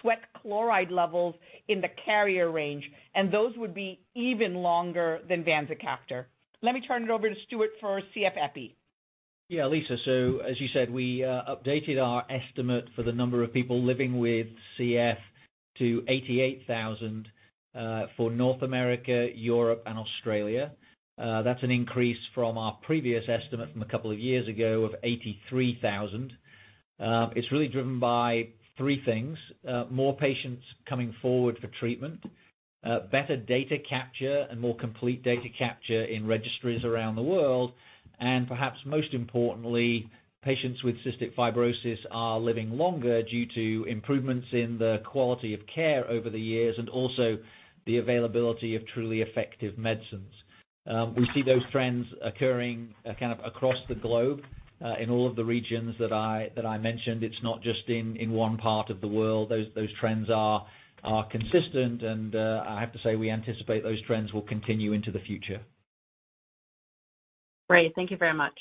sweat chloride levels in the carrier range, and those would be even longer than vanzacaftor. Let me turn it over to Stuart for CF epi. Yeah. Liisa, as you said, we updated our estimate for the number of people living with CF to 88,000 for North America, Europe, and Australia. That's an increase from our previous estimate from a couple of years ago of 83,000. It's really driven by three things. More patients coming forward for treatment, better data capture and more complete data capture in registries around the world. Perhaps most importantly, patients with cystic fibrosis are living longer due to improvements in the quality of care over the years and also the availability of truly effective medicines. We see those trends occurring kind of across the globe in all of the regions that I mentioned. It's not just in one part of the world. Those trends are consistent, and I have to say, we anticipate those trends will continue into the future. Great. Thank you very much.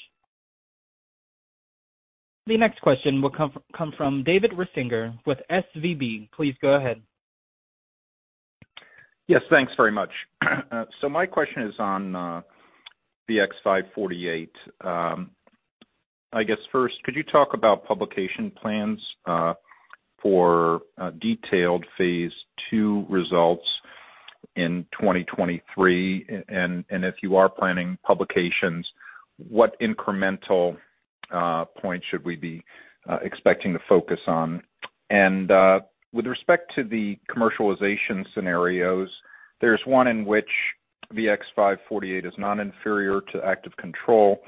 The next question will come from David Risinger with SVB. Please go ahead. Yes, thanks very much. My question is on VX-548. I guess first, could you talk about publication plans for detailed phase II results in 2023? If you are planning publications, what incremental points should we be expecting to focus on? With respect to the commercialization scenarios, there's one in which VX-548 is non-inferior to active control,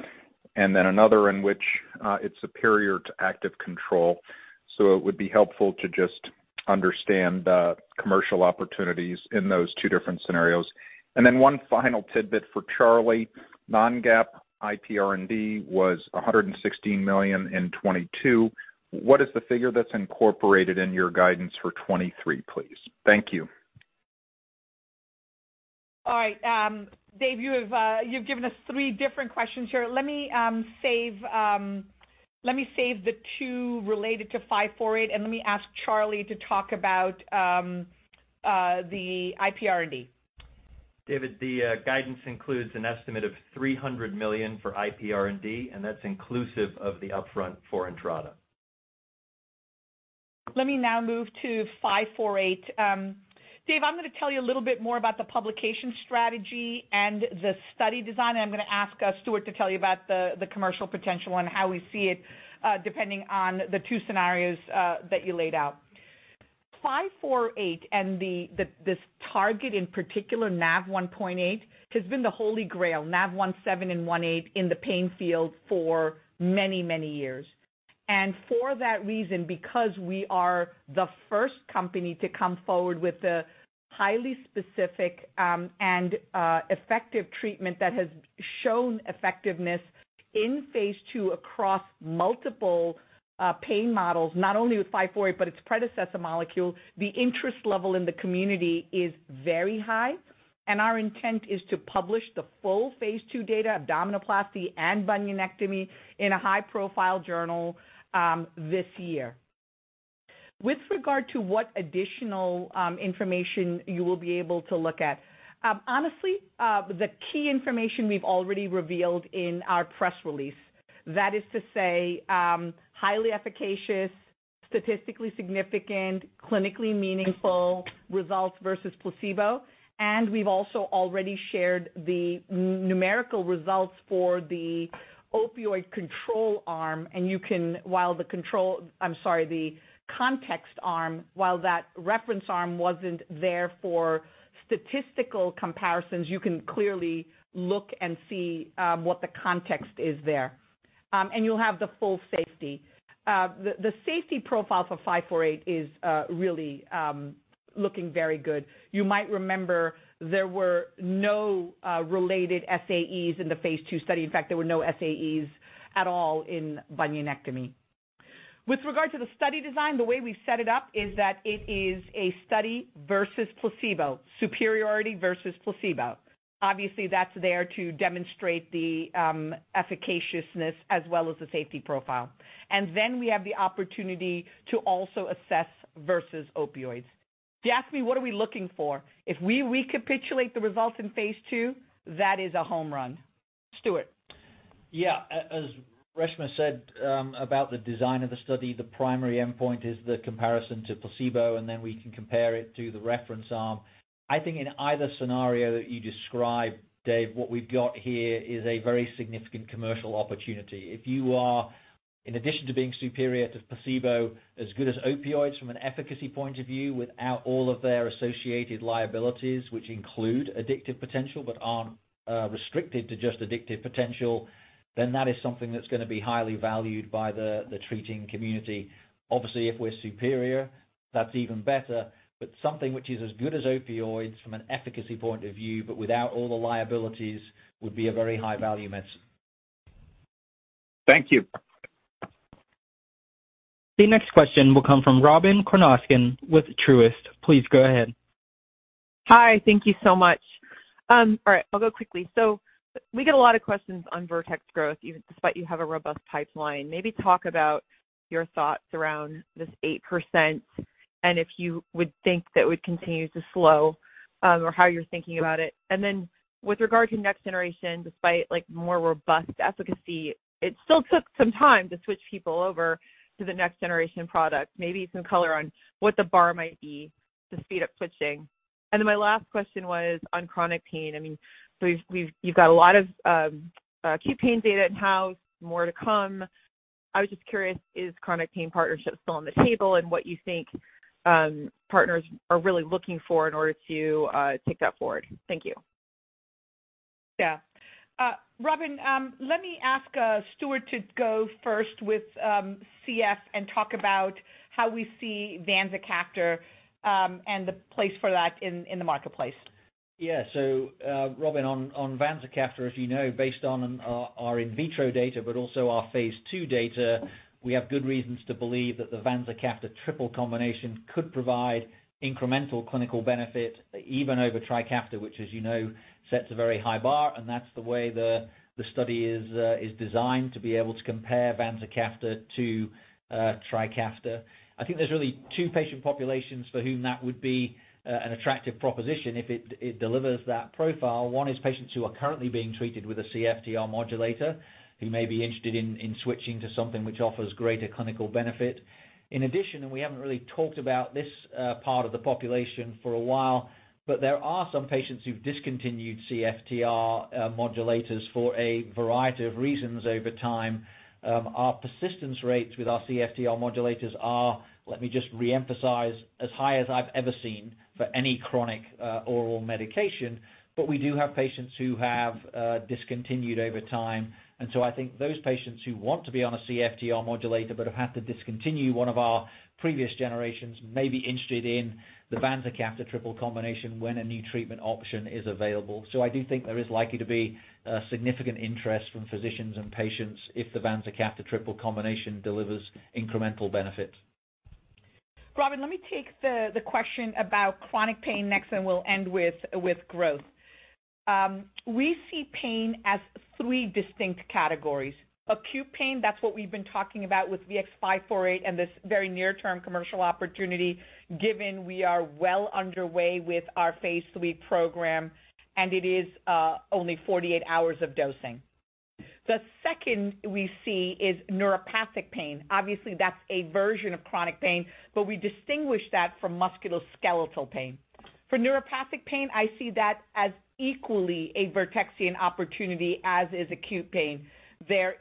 and then another in which it's superior to active control. It would be helpful to just understand the commercial opportunities in those two different scenarios. One final tidbit for Charlie. Non-GAAP IPR&D was $116 million in 2022. What is the figure that's incorporated in your guidance for 2023, please? Thank you. All right. Dave, you have, you've given us three different questions here. Let me save the two related to 548, and let me ask Charlie to talk about, the IPR&D. David, the guidance includes an estimate of $300 million for IPR&D. That's inclusive of the upfront for Entrada. Let me now move to VX-548. Dave, I'm gonna tell you a little bit more about the publication strategy and the study design. I'm gonna ask Stuart to tell you about the commercial potential and how we see it depending on the two scenarios that you laid out. VX-548 and this target, in particular, NaV1.8, has been the holy grail, NaV1.7 and NaV1.8, in the pain field for many, many years. For that reason, because we are the first company to come forward with a highly specific and effective treatment that has shown effectiveness in phase II across multiple pain models, not only with VX-548, but its predecessor molecule. The interest level in the community is very high, and our intent is to publish the full phase II data, abdominoplasty and bunionectomy, in a high-profile journal this year. With regard to what additional information you will be able to look at. Honestly, the key information we've already revealed in our press release. That is to say, highly efficacious, statistically significant, clinically meaningful results versus placebo. We've also already shared the numerical results for the opioid control arm. You can, while the context arm, while that reference arm wasn't there for statistical comparisons, you can clearly look and see what the context is there. You'll have the full safety. The safety profile for VX-548 is really looking very good. You might remember there were no related SAEs in the phase II study. In fact, there were no SAEs at all in bunionectomy. With regard to the study design, the way we've set it up is that it is a study versus placebo, superiority versus placebo. Obviously, that's there to demonstrate the efficaciousness as well as the safety profile. We have the opportunity to also assess versus opioids. If you ask me what are we looking for? If we recapitulate the results in phase II, that is a home run. Stuart? Yeah. As Reshma said, about the design of the study, the primary endpoint is the comparison to placebo, and then we can compare it to the reference arm. I think in either scenario that you described, Dave, what we've got here is a very significant commercial opportunity. If you are, in addition to being superior to placebo, as good as opioids from an efficacy point of view without all of their associated liabilities, which include addictive potential but aren't restricted to just addictive potential, then that is something that's gonna be highly valued by the treating community. Obviously, if we're superior, that's even better. Something which is as good as opioids from an efficacy point of view, but without all the liabilities, would be a very high-value medicine. Thank you. The next question will come from Robyn Karnauskas with Truist. Please go ahead. Hi. Thank you so much. All right, I'll go quickly. We get a lot of questions on Vertex growth, even despite you have a robust pipeline. Maybe talk about your thoughts around this 8% and if you would think that would continue to slow, or how you're thinking about it? Then with regard to next generation, despite like more robust efficacy, it still took some time to switch people over to the next generation product. Maybe some color on what the bar might be to speed up switching? Then my last question was on chronic pain. I mean, you've got a lot of acute pain data in-house, more to come. I was just curious, is chronic pain partnership still on the table and what you think partners are really looking for in order to take that forward? Thank you. Robyn, let me ask Stuart to go first with CF and talk about how we see vanzacaftor and the place for that in the marketplace. Robyn, on vanzacaftor, as you know, based on our in vitro data but also our phase II data, we have good reasons to believe that the vanzacaftor triple combination could provide incremental clinical benefit even over TRIKAFTA, which, as you know, sets a very high bar, and that's the way the study is designed to be able to compare vanzacaftor to TRIKAFTA. I think there's really two patient populations for whom that would be an attractive proposition if it delivers that profile. One is patients who are currently being treated with a CFTR modulator who may be interested in switching to something which offers greater clinical benefit. In addition, we haven't really talked about this, part of the population for a while, but there are some patients who've discontinued CFTR modulators for a variety of reasons over time. Our persistence rates with our CFTR modulators are, let me just reemphasize, as high as I've ever seen for any chronic oral medication. We do have patients who have discontinued over time. I think those patients who want to be on a CFTR modulator but have had to discontinue one of our previous generations may be interested in the vanzacaftor triple combination when a new treatment option is available. I do think there is likely to be a significant interest from physicians and patients if the vanzacaftor triple combination delivers incremental benefit. Robyn, let me take the question about chronic pain next, and we'll end with growth. We see pain as three distinct categories. Acute pain, that's what we've been talking about with VX-548 and this very near-term commercial opportunity, given we are well underway with our phase III program, and it is only 48 hours of dosing. The second we see is neuropathic pain. Obviously, that's a version of chronic pain, but we distinguish that from musculoskeletal pain. For neuropathic pain, I see that as equally a Vertexian opportunity as is acute pain. There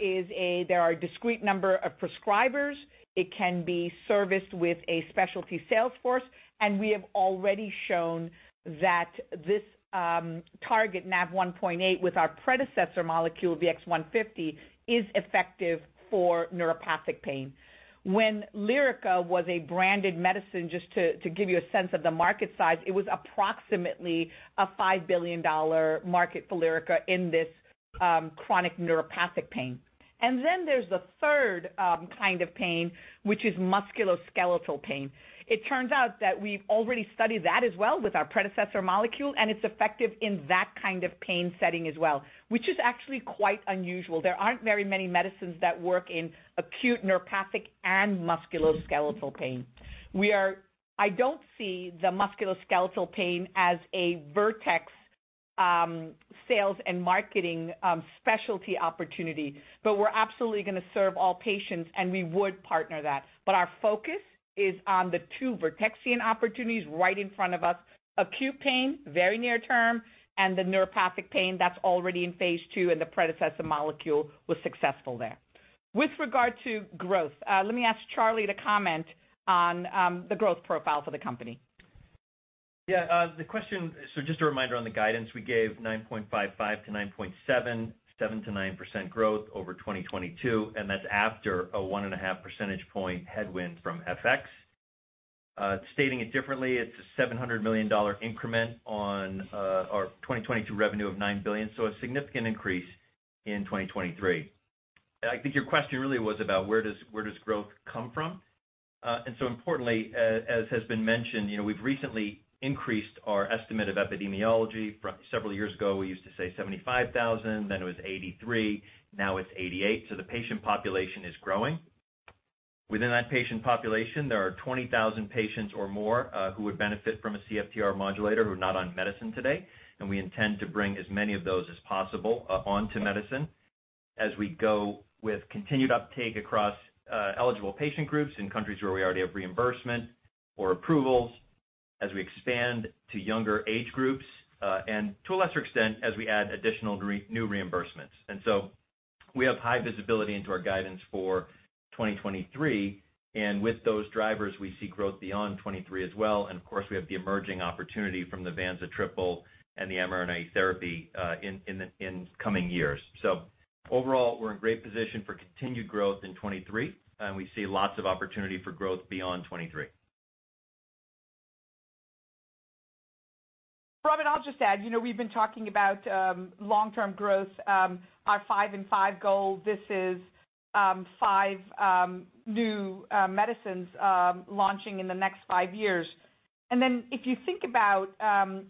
are a discrete number of prescribers. It can be serviced with a specialty sales force, and we have already shown that this target NaV1.8 with our predecessor molecule, VX-150, is effective for neuropathic pain. When Lyrica was a branded medicine, just to give you a sense of the market size, it was approximately a $5 billion market for Lyrica in this chronic neuropathic pain. There's the third kind of pain, which is musculoskeletal pain. It turns out that we've already studied that as well with our predecessor molecule, and it's effective in that kind of pain setting as well, which is actually quite unusual. There aren't very many medicines that work in acute neuropathic and musculoskeletal pain. I don't see the musculoskeletal pain as a Vertex sales and marketing specialty opportunity, but we're absolutely gonna serve all patients, and we would partner that. Our focus is on the two Vertexian opportunities right in front of us, acute pain, very near term, and the neuropathic pain that's already in phase II, and the predecessor molecule was successful there. With regard to growth, let me ask Charlie to comment on the growth profile for the company. Yeah, just a reminder on the guidance we gave, $9.55 billion-$9.7 billion, 7%-9% growth over 2022, and that's after a one and a half percentage point headwind from FX. Stating it differently, it's a $700 million increment on our 2022 revenue of $9 billion, a significant increase in 2023. I think your question really was about where does growth come from? Importantly, as has been mentioned, you know, we've recently increased our estimate of epidemiology. From several years ago, we used to say 75,000, then it was 83, now it's 88, the patient population is growing. Within that patient population, there are 20,000 patients or more who would benefit from a CFTR modulator who are not on medicine today. We intend to bring as many of those as possible on to medicine as we go with continued uptake across eligible patient groups in countries where we already have reimbursement or approvals, as we expand to younger age groups and to a lesser extent, as we add additional new reimbursements. We have high visibility into our guidance for 2023, and with those drivers, we see growth beyond 2023 as well. Of course, we have the emerging opportunity from the vanza triple and the mRNA therapy in coming years. Overall, we're in great position for continued growth in 2023, and we see lots of opportunity for growth beyond 2023. Robyn, I'll just add, you know, we've been talking about long-term growth, our 5 and 5 goal. This is 5 new medicines launching in the next 5 years. If you think about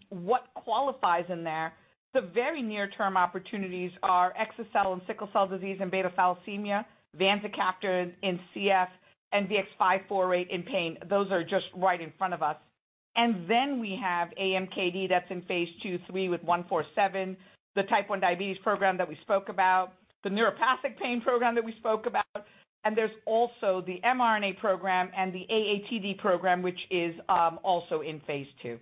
what qualifies in there, the very near-term opportunities are exa-cel in sickle cell disease and beta thalassemia, vanzacaftor in CF, and VX-548 in pain. Those are just right in front of us. We have AMKD that's in phase II/3 with VX-147, the type 1 diabetes program that we spoke about, the neuropathic pain program that we spoke about, and there's also the mRNA program and the AATD program, which is also in phase II.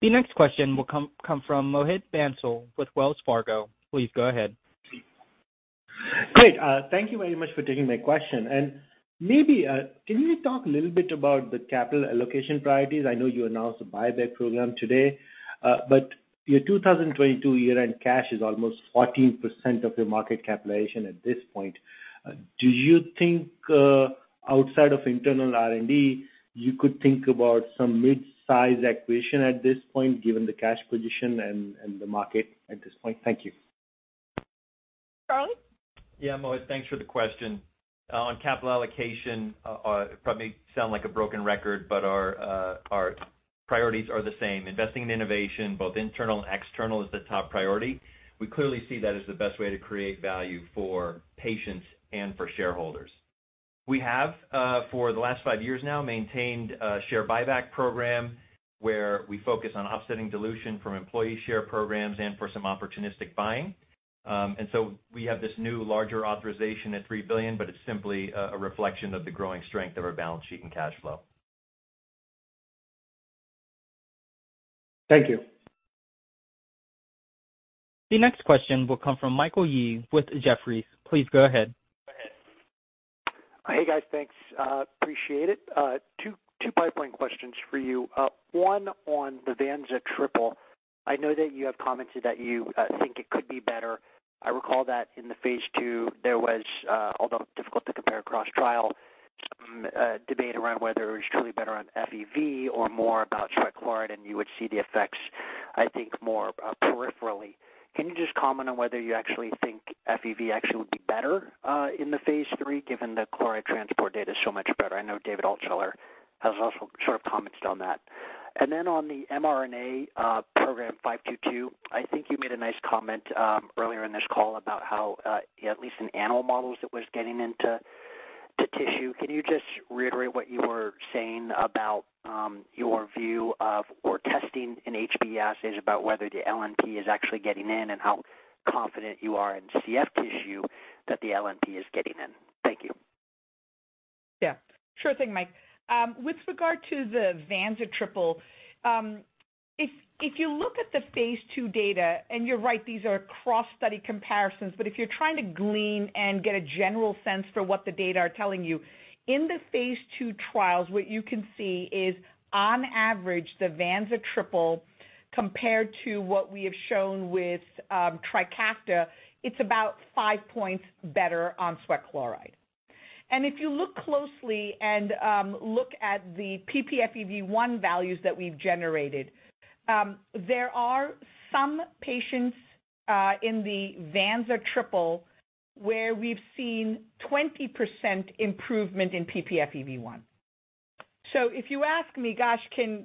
The next question will come from Mohit Bansal with Wells Fargo. Please go ahead. Great. thank you very much for taking my question. maybe, can you talk a little bit about the capital allocation priorities? I know you announced the buyback program today. your 2022 year-end cash is almost 14% of your market capitalization at this point. Do you think, outside of internal R&D, you could think about some mid-size acquisition at this point, given the cash position and the market at this point? Thank you. Charlie? Yeah. Mohit, thanks for the question. on capital allocation, probably sound like a broken record, but our priorities are the same. Investing in innovation, both internal and external, is the top priority. We clearly see that as the best way to create value for patients and for shareholders. We have, for the last five years now, maintained a share buyback program where we focus on offsetting dilution from employee share programs and for some opportunistic buying. We have this new larger authorization at $3 billion, but it's simply a reflection of the growing strength of our balance sheet and cash flow. Thank you. The next question will come from Michael Yee with Jefferies. Please go ahead. Hey, guys. Thanks, appreciate it. Two pipeline questions for you. One on the vanza triple. I know that you have commented that you think it could be better. I recall that in the phase II, there was, although difficult to compare cross-trial, some debate around whether it was truly better on FEV or more about sweat chloride, and you would see the effects, I think, more peripherally. Can you just comment on whether you actually think FEV actually would be better in the phase III, given the chloride transport data is so much better? I know David Altshuler has also short of commented on that. On the mRNA program 522, I think you made a nice comment earlier in this call about how, at least in animal models, it was getting into the tissue. Can you just reiterate what you were saying about, your view of or testing in HBE assays about whether the LNP is actually getting in and how confident you are in CF tissue that the LNP is getting in? Thank you. Yeah, sure thing, Mike. With regard to the vanza triple, if you look at the phase II data, you're right, these are cross-study comparisons, but if you're trying to glean and get a general sense for what the data are telling you, in the phase II trials, what you can see is, on average, the vanza triple compared to what we have shown with TRIKAFTA, it's about five points better on sweat chloride. If you look closely and look at the ppFEV1 values that we've generated, there are some patients in the vanza triple where we've seen 20% improvement in ppFEV1. If you ask me, gosh, can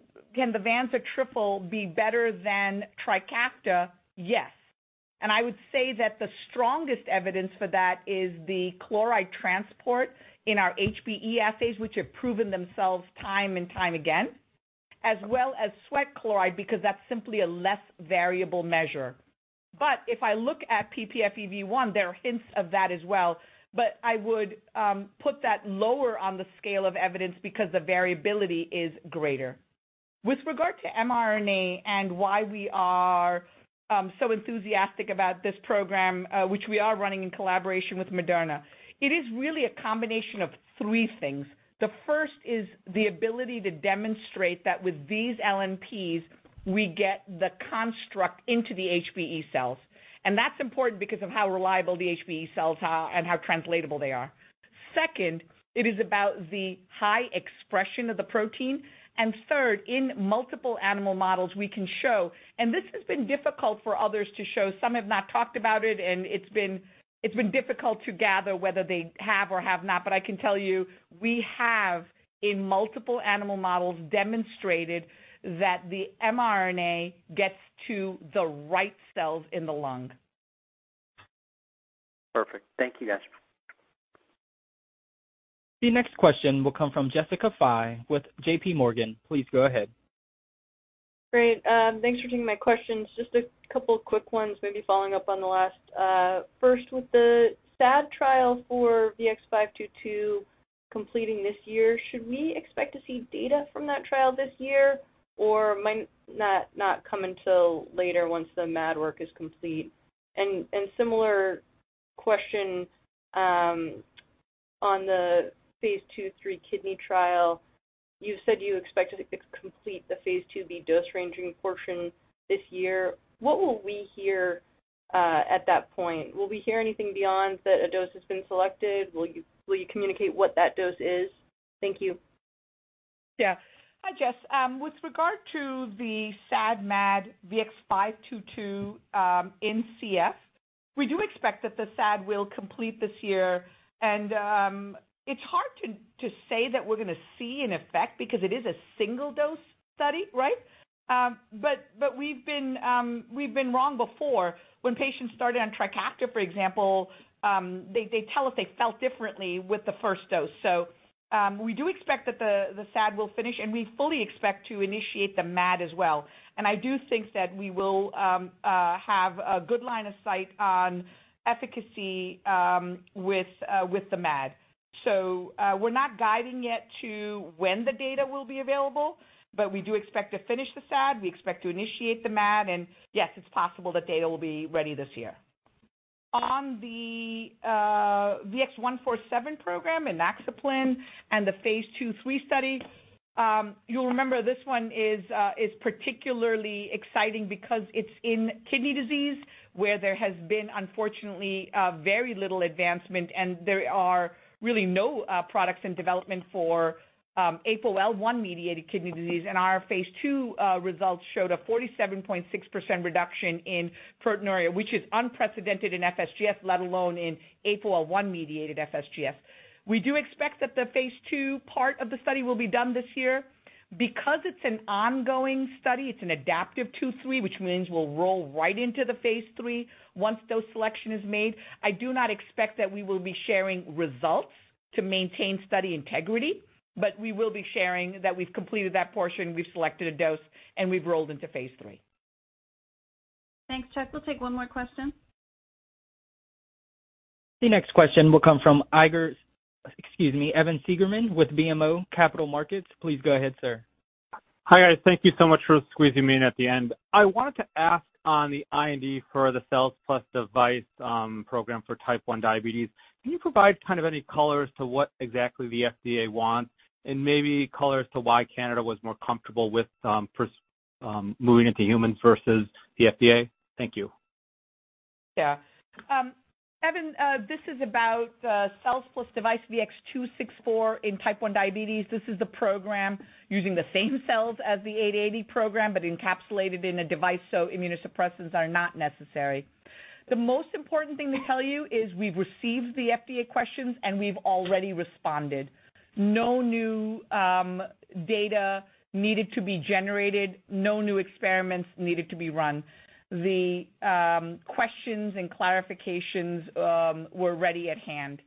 the vanza triple be better than TRIKAFTA? Yes. I would say that the strongest evidence for that is the chloride transport in our HBE assays, which have proven themselves time and time again, as well as sweat chloride, because that's simply a less variable measure. If I look at ppFEV1, there are hints of that as well. I would put that lower on the scale of evidence because the variability is greater. With regard to mRNA and why we are so enthusiastic about this program, which we are running in collaboration with Moderna, it is really a combination of three things. The first is the ability to demonstrate that with these LNPs, we get the construct into the HBE cells. That's important because of how reliable the HBE cells are and how translatable they are. Second, it is about the high expression of the protein. Third, in multiple animal models, we can show, and this has been difficult for others to show. Some have not talked about it, and it's been difficult to gather whether they have or have not. I can tell you, we have, in multiple animal models, demonstrated that the mRNA gets to the right cells in the lung. Perfect. Thank you, guys. The next question will come from Jessica Fye with JPMorgan. Please go ahead. Great. Thanks for taking my questions. Just a couple of quick ones maybe following up on the last. First, with the SAD trial for VX-522 completing this year, should we expect to see data from that trial this year, or might that not come until later once the MAD work is complete? Similar question on the phase II/3 kidney trial. You said you expect to complete the phase IIb dose ranging portion this year. What will we hear at that point? Will we hear anything beyond that a dose has been selected? Will you communicate what that dose is? Thank you. Yeah. Hi, Jess. With regard to the SAD/MAD VX-522, in CF, we do expect that the SAD will complete this year. It's hard to say that we're gonna see an effect because it is a single-dose study, right? But we've been wrong before. When patients started on TRIKAFTA, for example, they tell us they felt differently with the first dose. We do expect that the SAD will finish, and we fully expect to initiate the MAD as well. I do think that we will have a good line of sight on efficacy with the MAD. We're not guiding yet to when the data will be available, but we do expect to finish the SAD, we expect to initiate the MAD, and yes, it's possible the data will be ready this year. On the VX-147 program in inaxaplin and the phase II/3 study, you'll remember this one is particularly exciting because it's in kidney disease where there has been unfortunately, very little advancement and there are really no products in development for APOL1-mediated kidney disease. Our phase II results showed a 47.6% reduction in proteinuria, which is unprecedented in FSGS, let alone in APOL1-mediated FSGS. We do expect that the phase II part of the study will be done this year. It's an ongoing study, it's an adaptive phase II/3, which means we'll roll right into the phase III once dose selection is made. I do not expect that we will be sharing results to maintain study integrity, but we will be sharing that we've completed that portion, we've selected a dose, and we've rolled into phase III. Thanks. Chuck, we'll take one more question. The next question will come from Excuse me, Evan Seigerman with BMO Capital Markets. Please go ahead, sir. Hi, guys. Thank you so much for squeezing me in at the end. I wanted to ask on the IND for the cells plus device program for type 1 diabetes. Can you provide kind of any color as to what exactly the FDA wants and maybe color as to why Canada was more comfortable with moving into humans versus the FDA? Thank you. Evan, this is about cells plus device VX-264 in type one diabetes. This is a program using the same cells as the 880 program, but encapsulated in a device so immunosuppressants are not necessary. The most important thing to tell you is we've received the FDA questions, and we've already responded. No new data needed to be generated. No new experiments needed to be run. The questions and clarifications were ready at hand.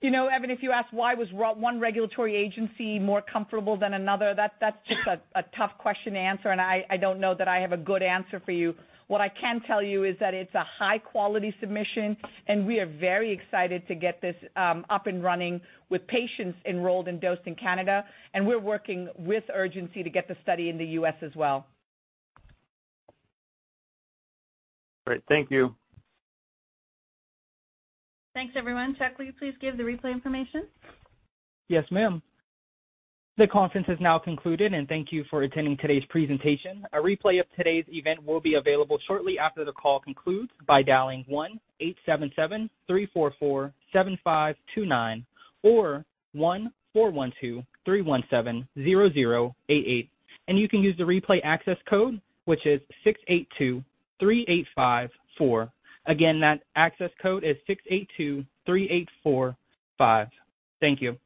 You know, Evan, if you ask why was one regulatory agency more comfortable than another, that's just a tough question to answer, and I don't know that I have a good answer for you. What I can tell you is that it's a high-quality submission, and we are very excited to get this, up and running with patients enrolled and dosed in Canada, and we're working with urgency to get the study in the U.S. as well. Great. Thank you. Thanks, everyone. Charlie, will you please give the replay information? Yes, ma'am. The conference has now concluded. Thank you for attending today's presentation. A replay of today's event will be available shortly after the call concludes by dialing 1-877-344-7529 or 1-412-317-0088. You can use the replay access code, which is 6823854. Again, that access code is 6823845. Thank you.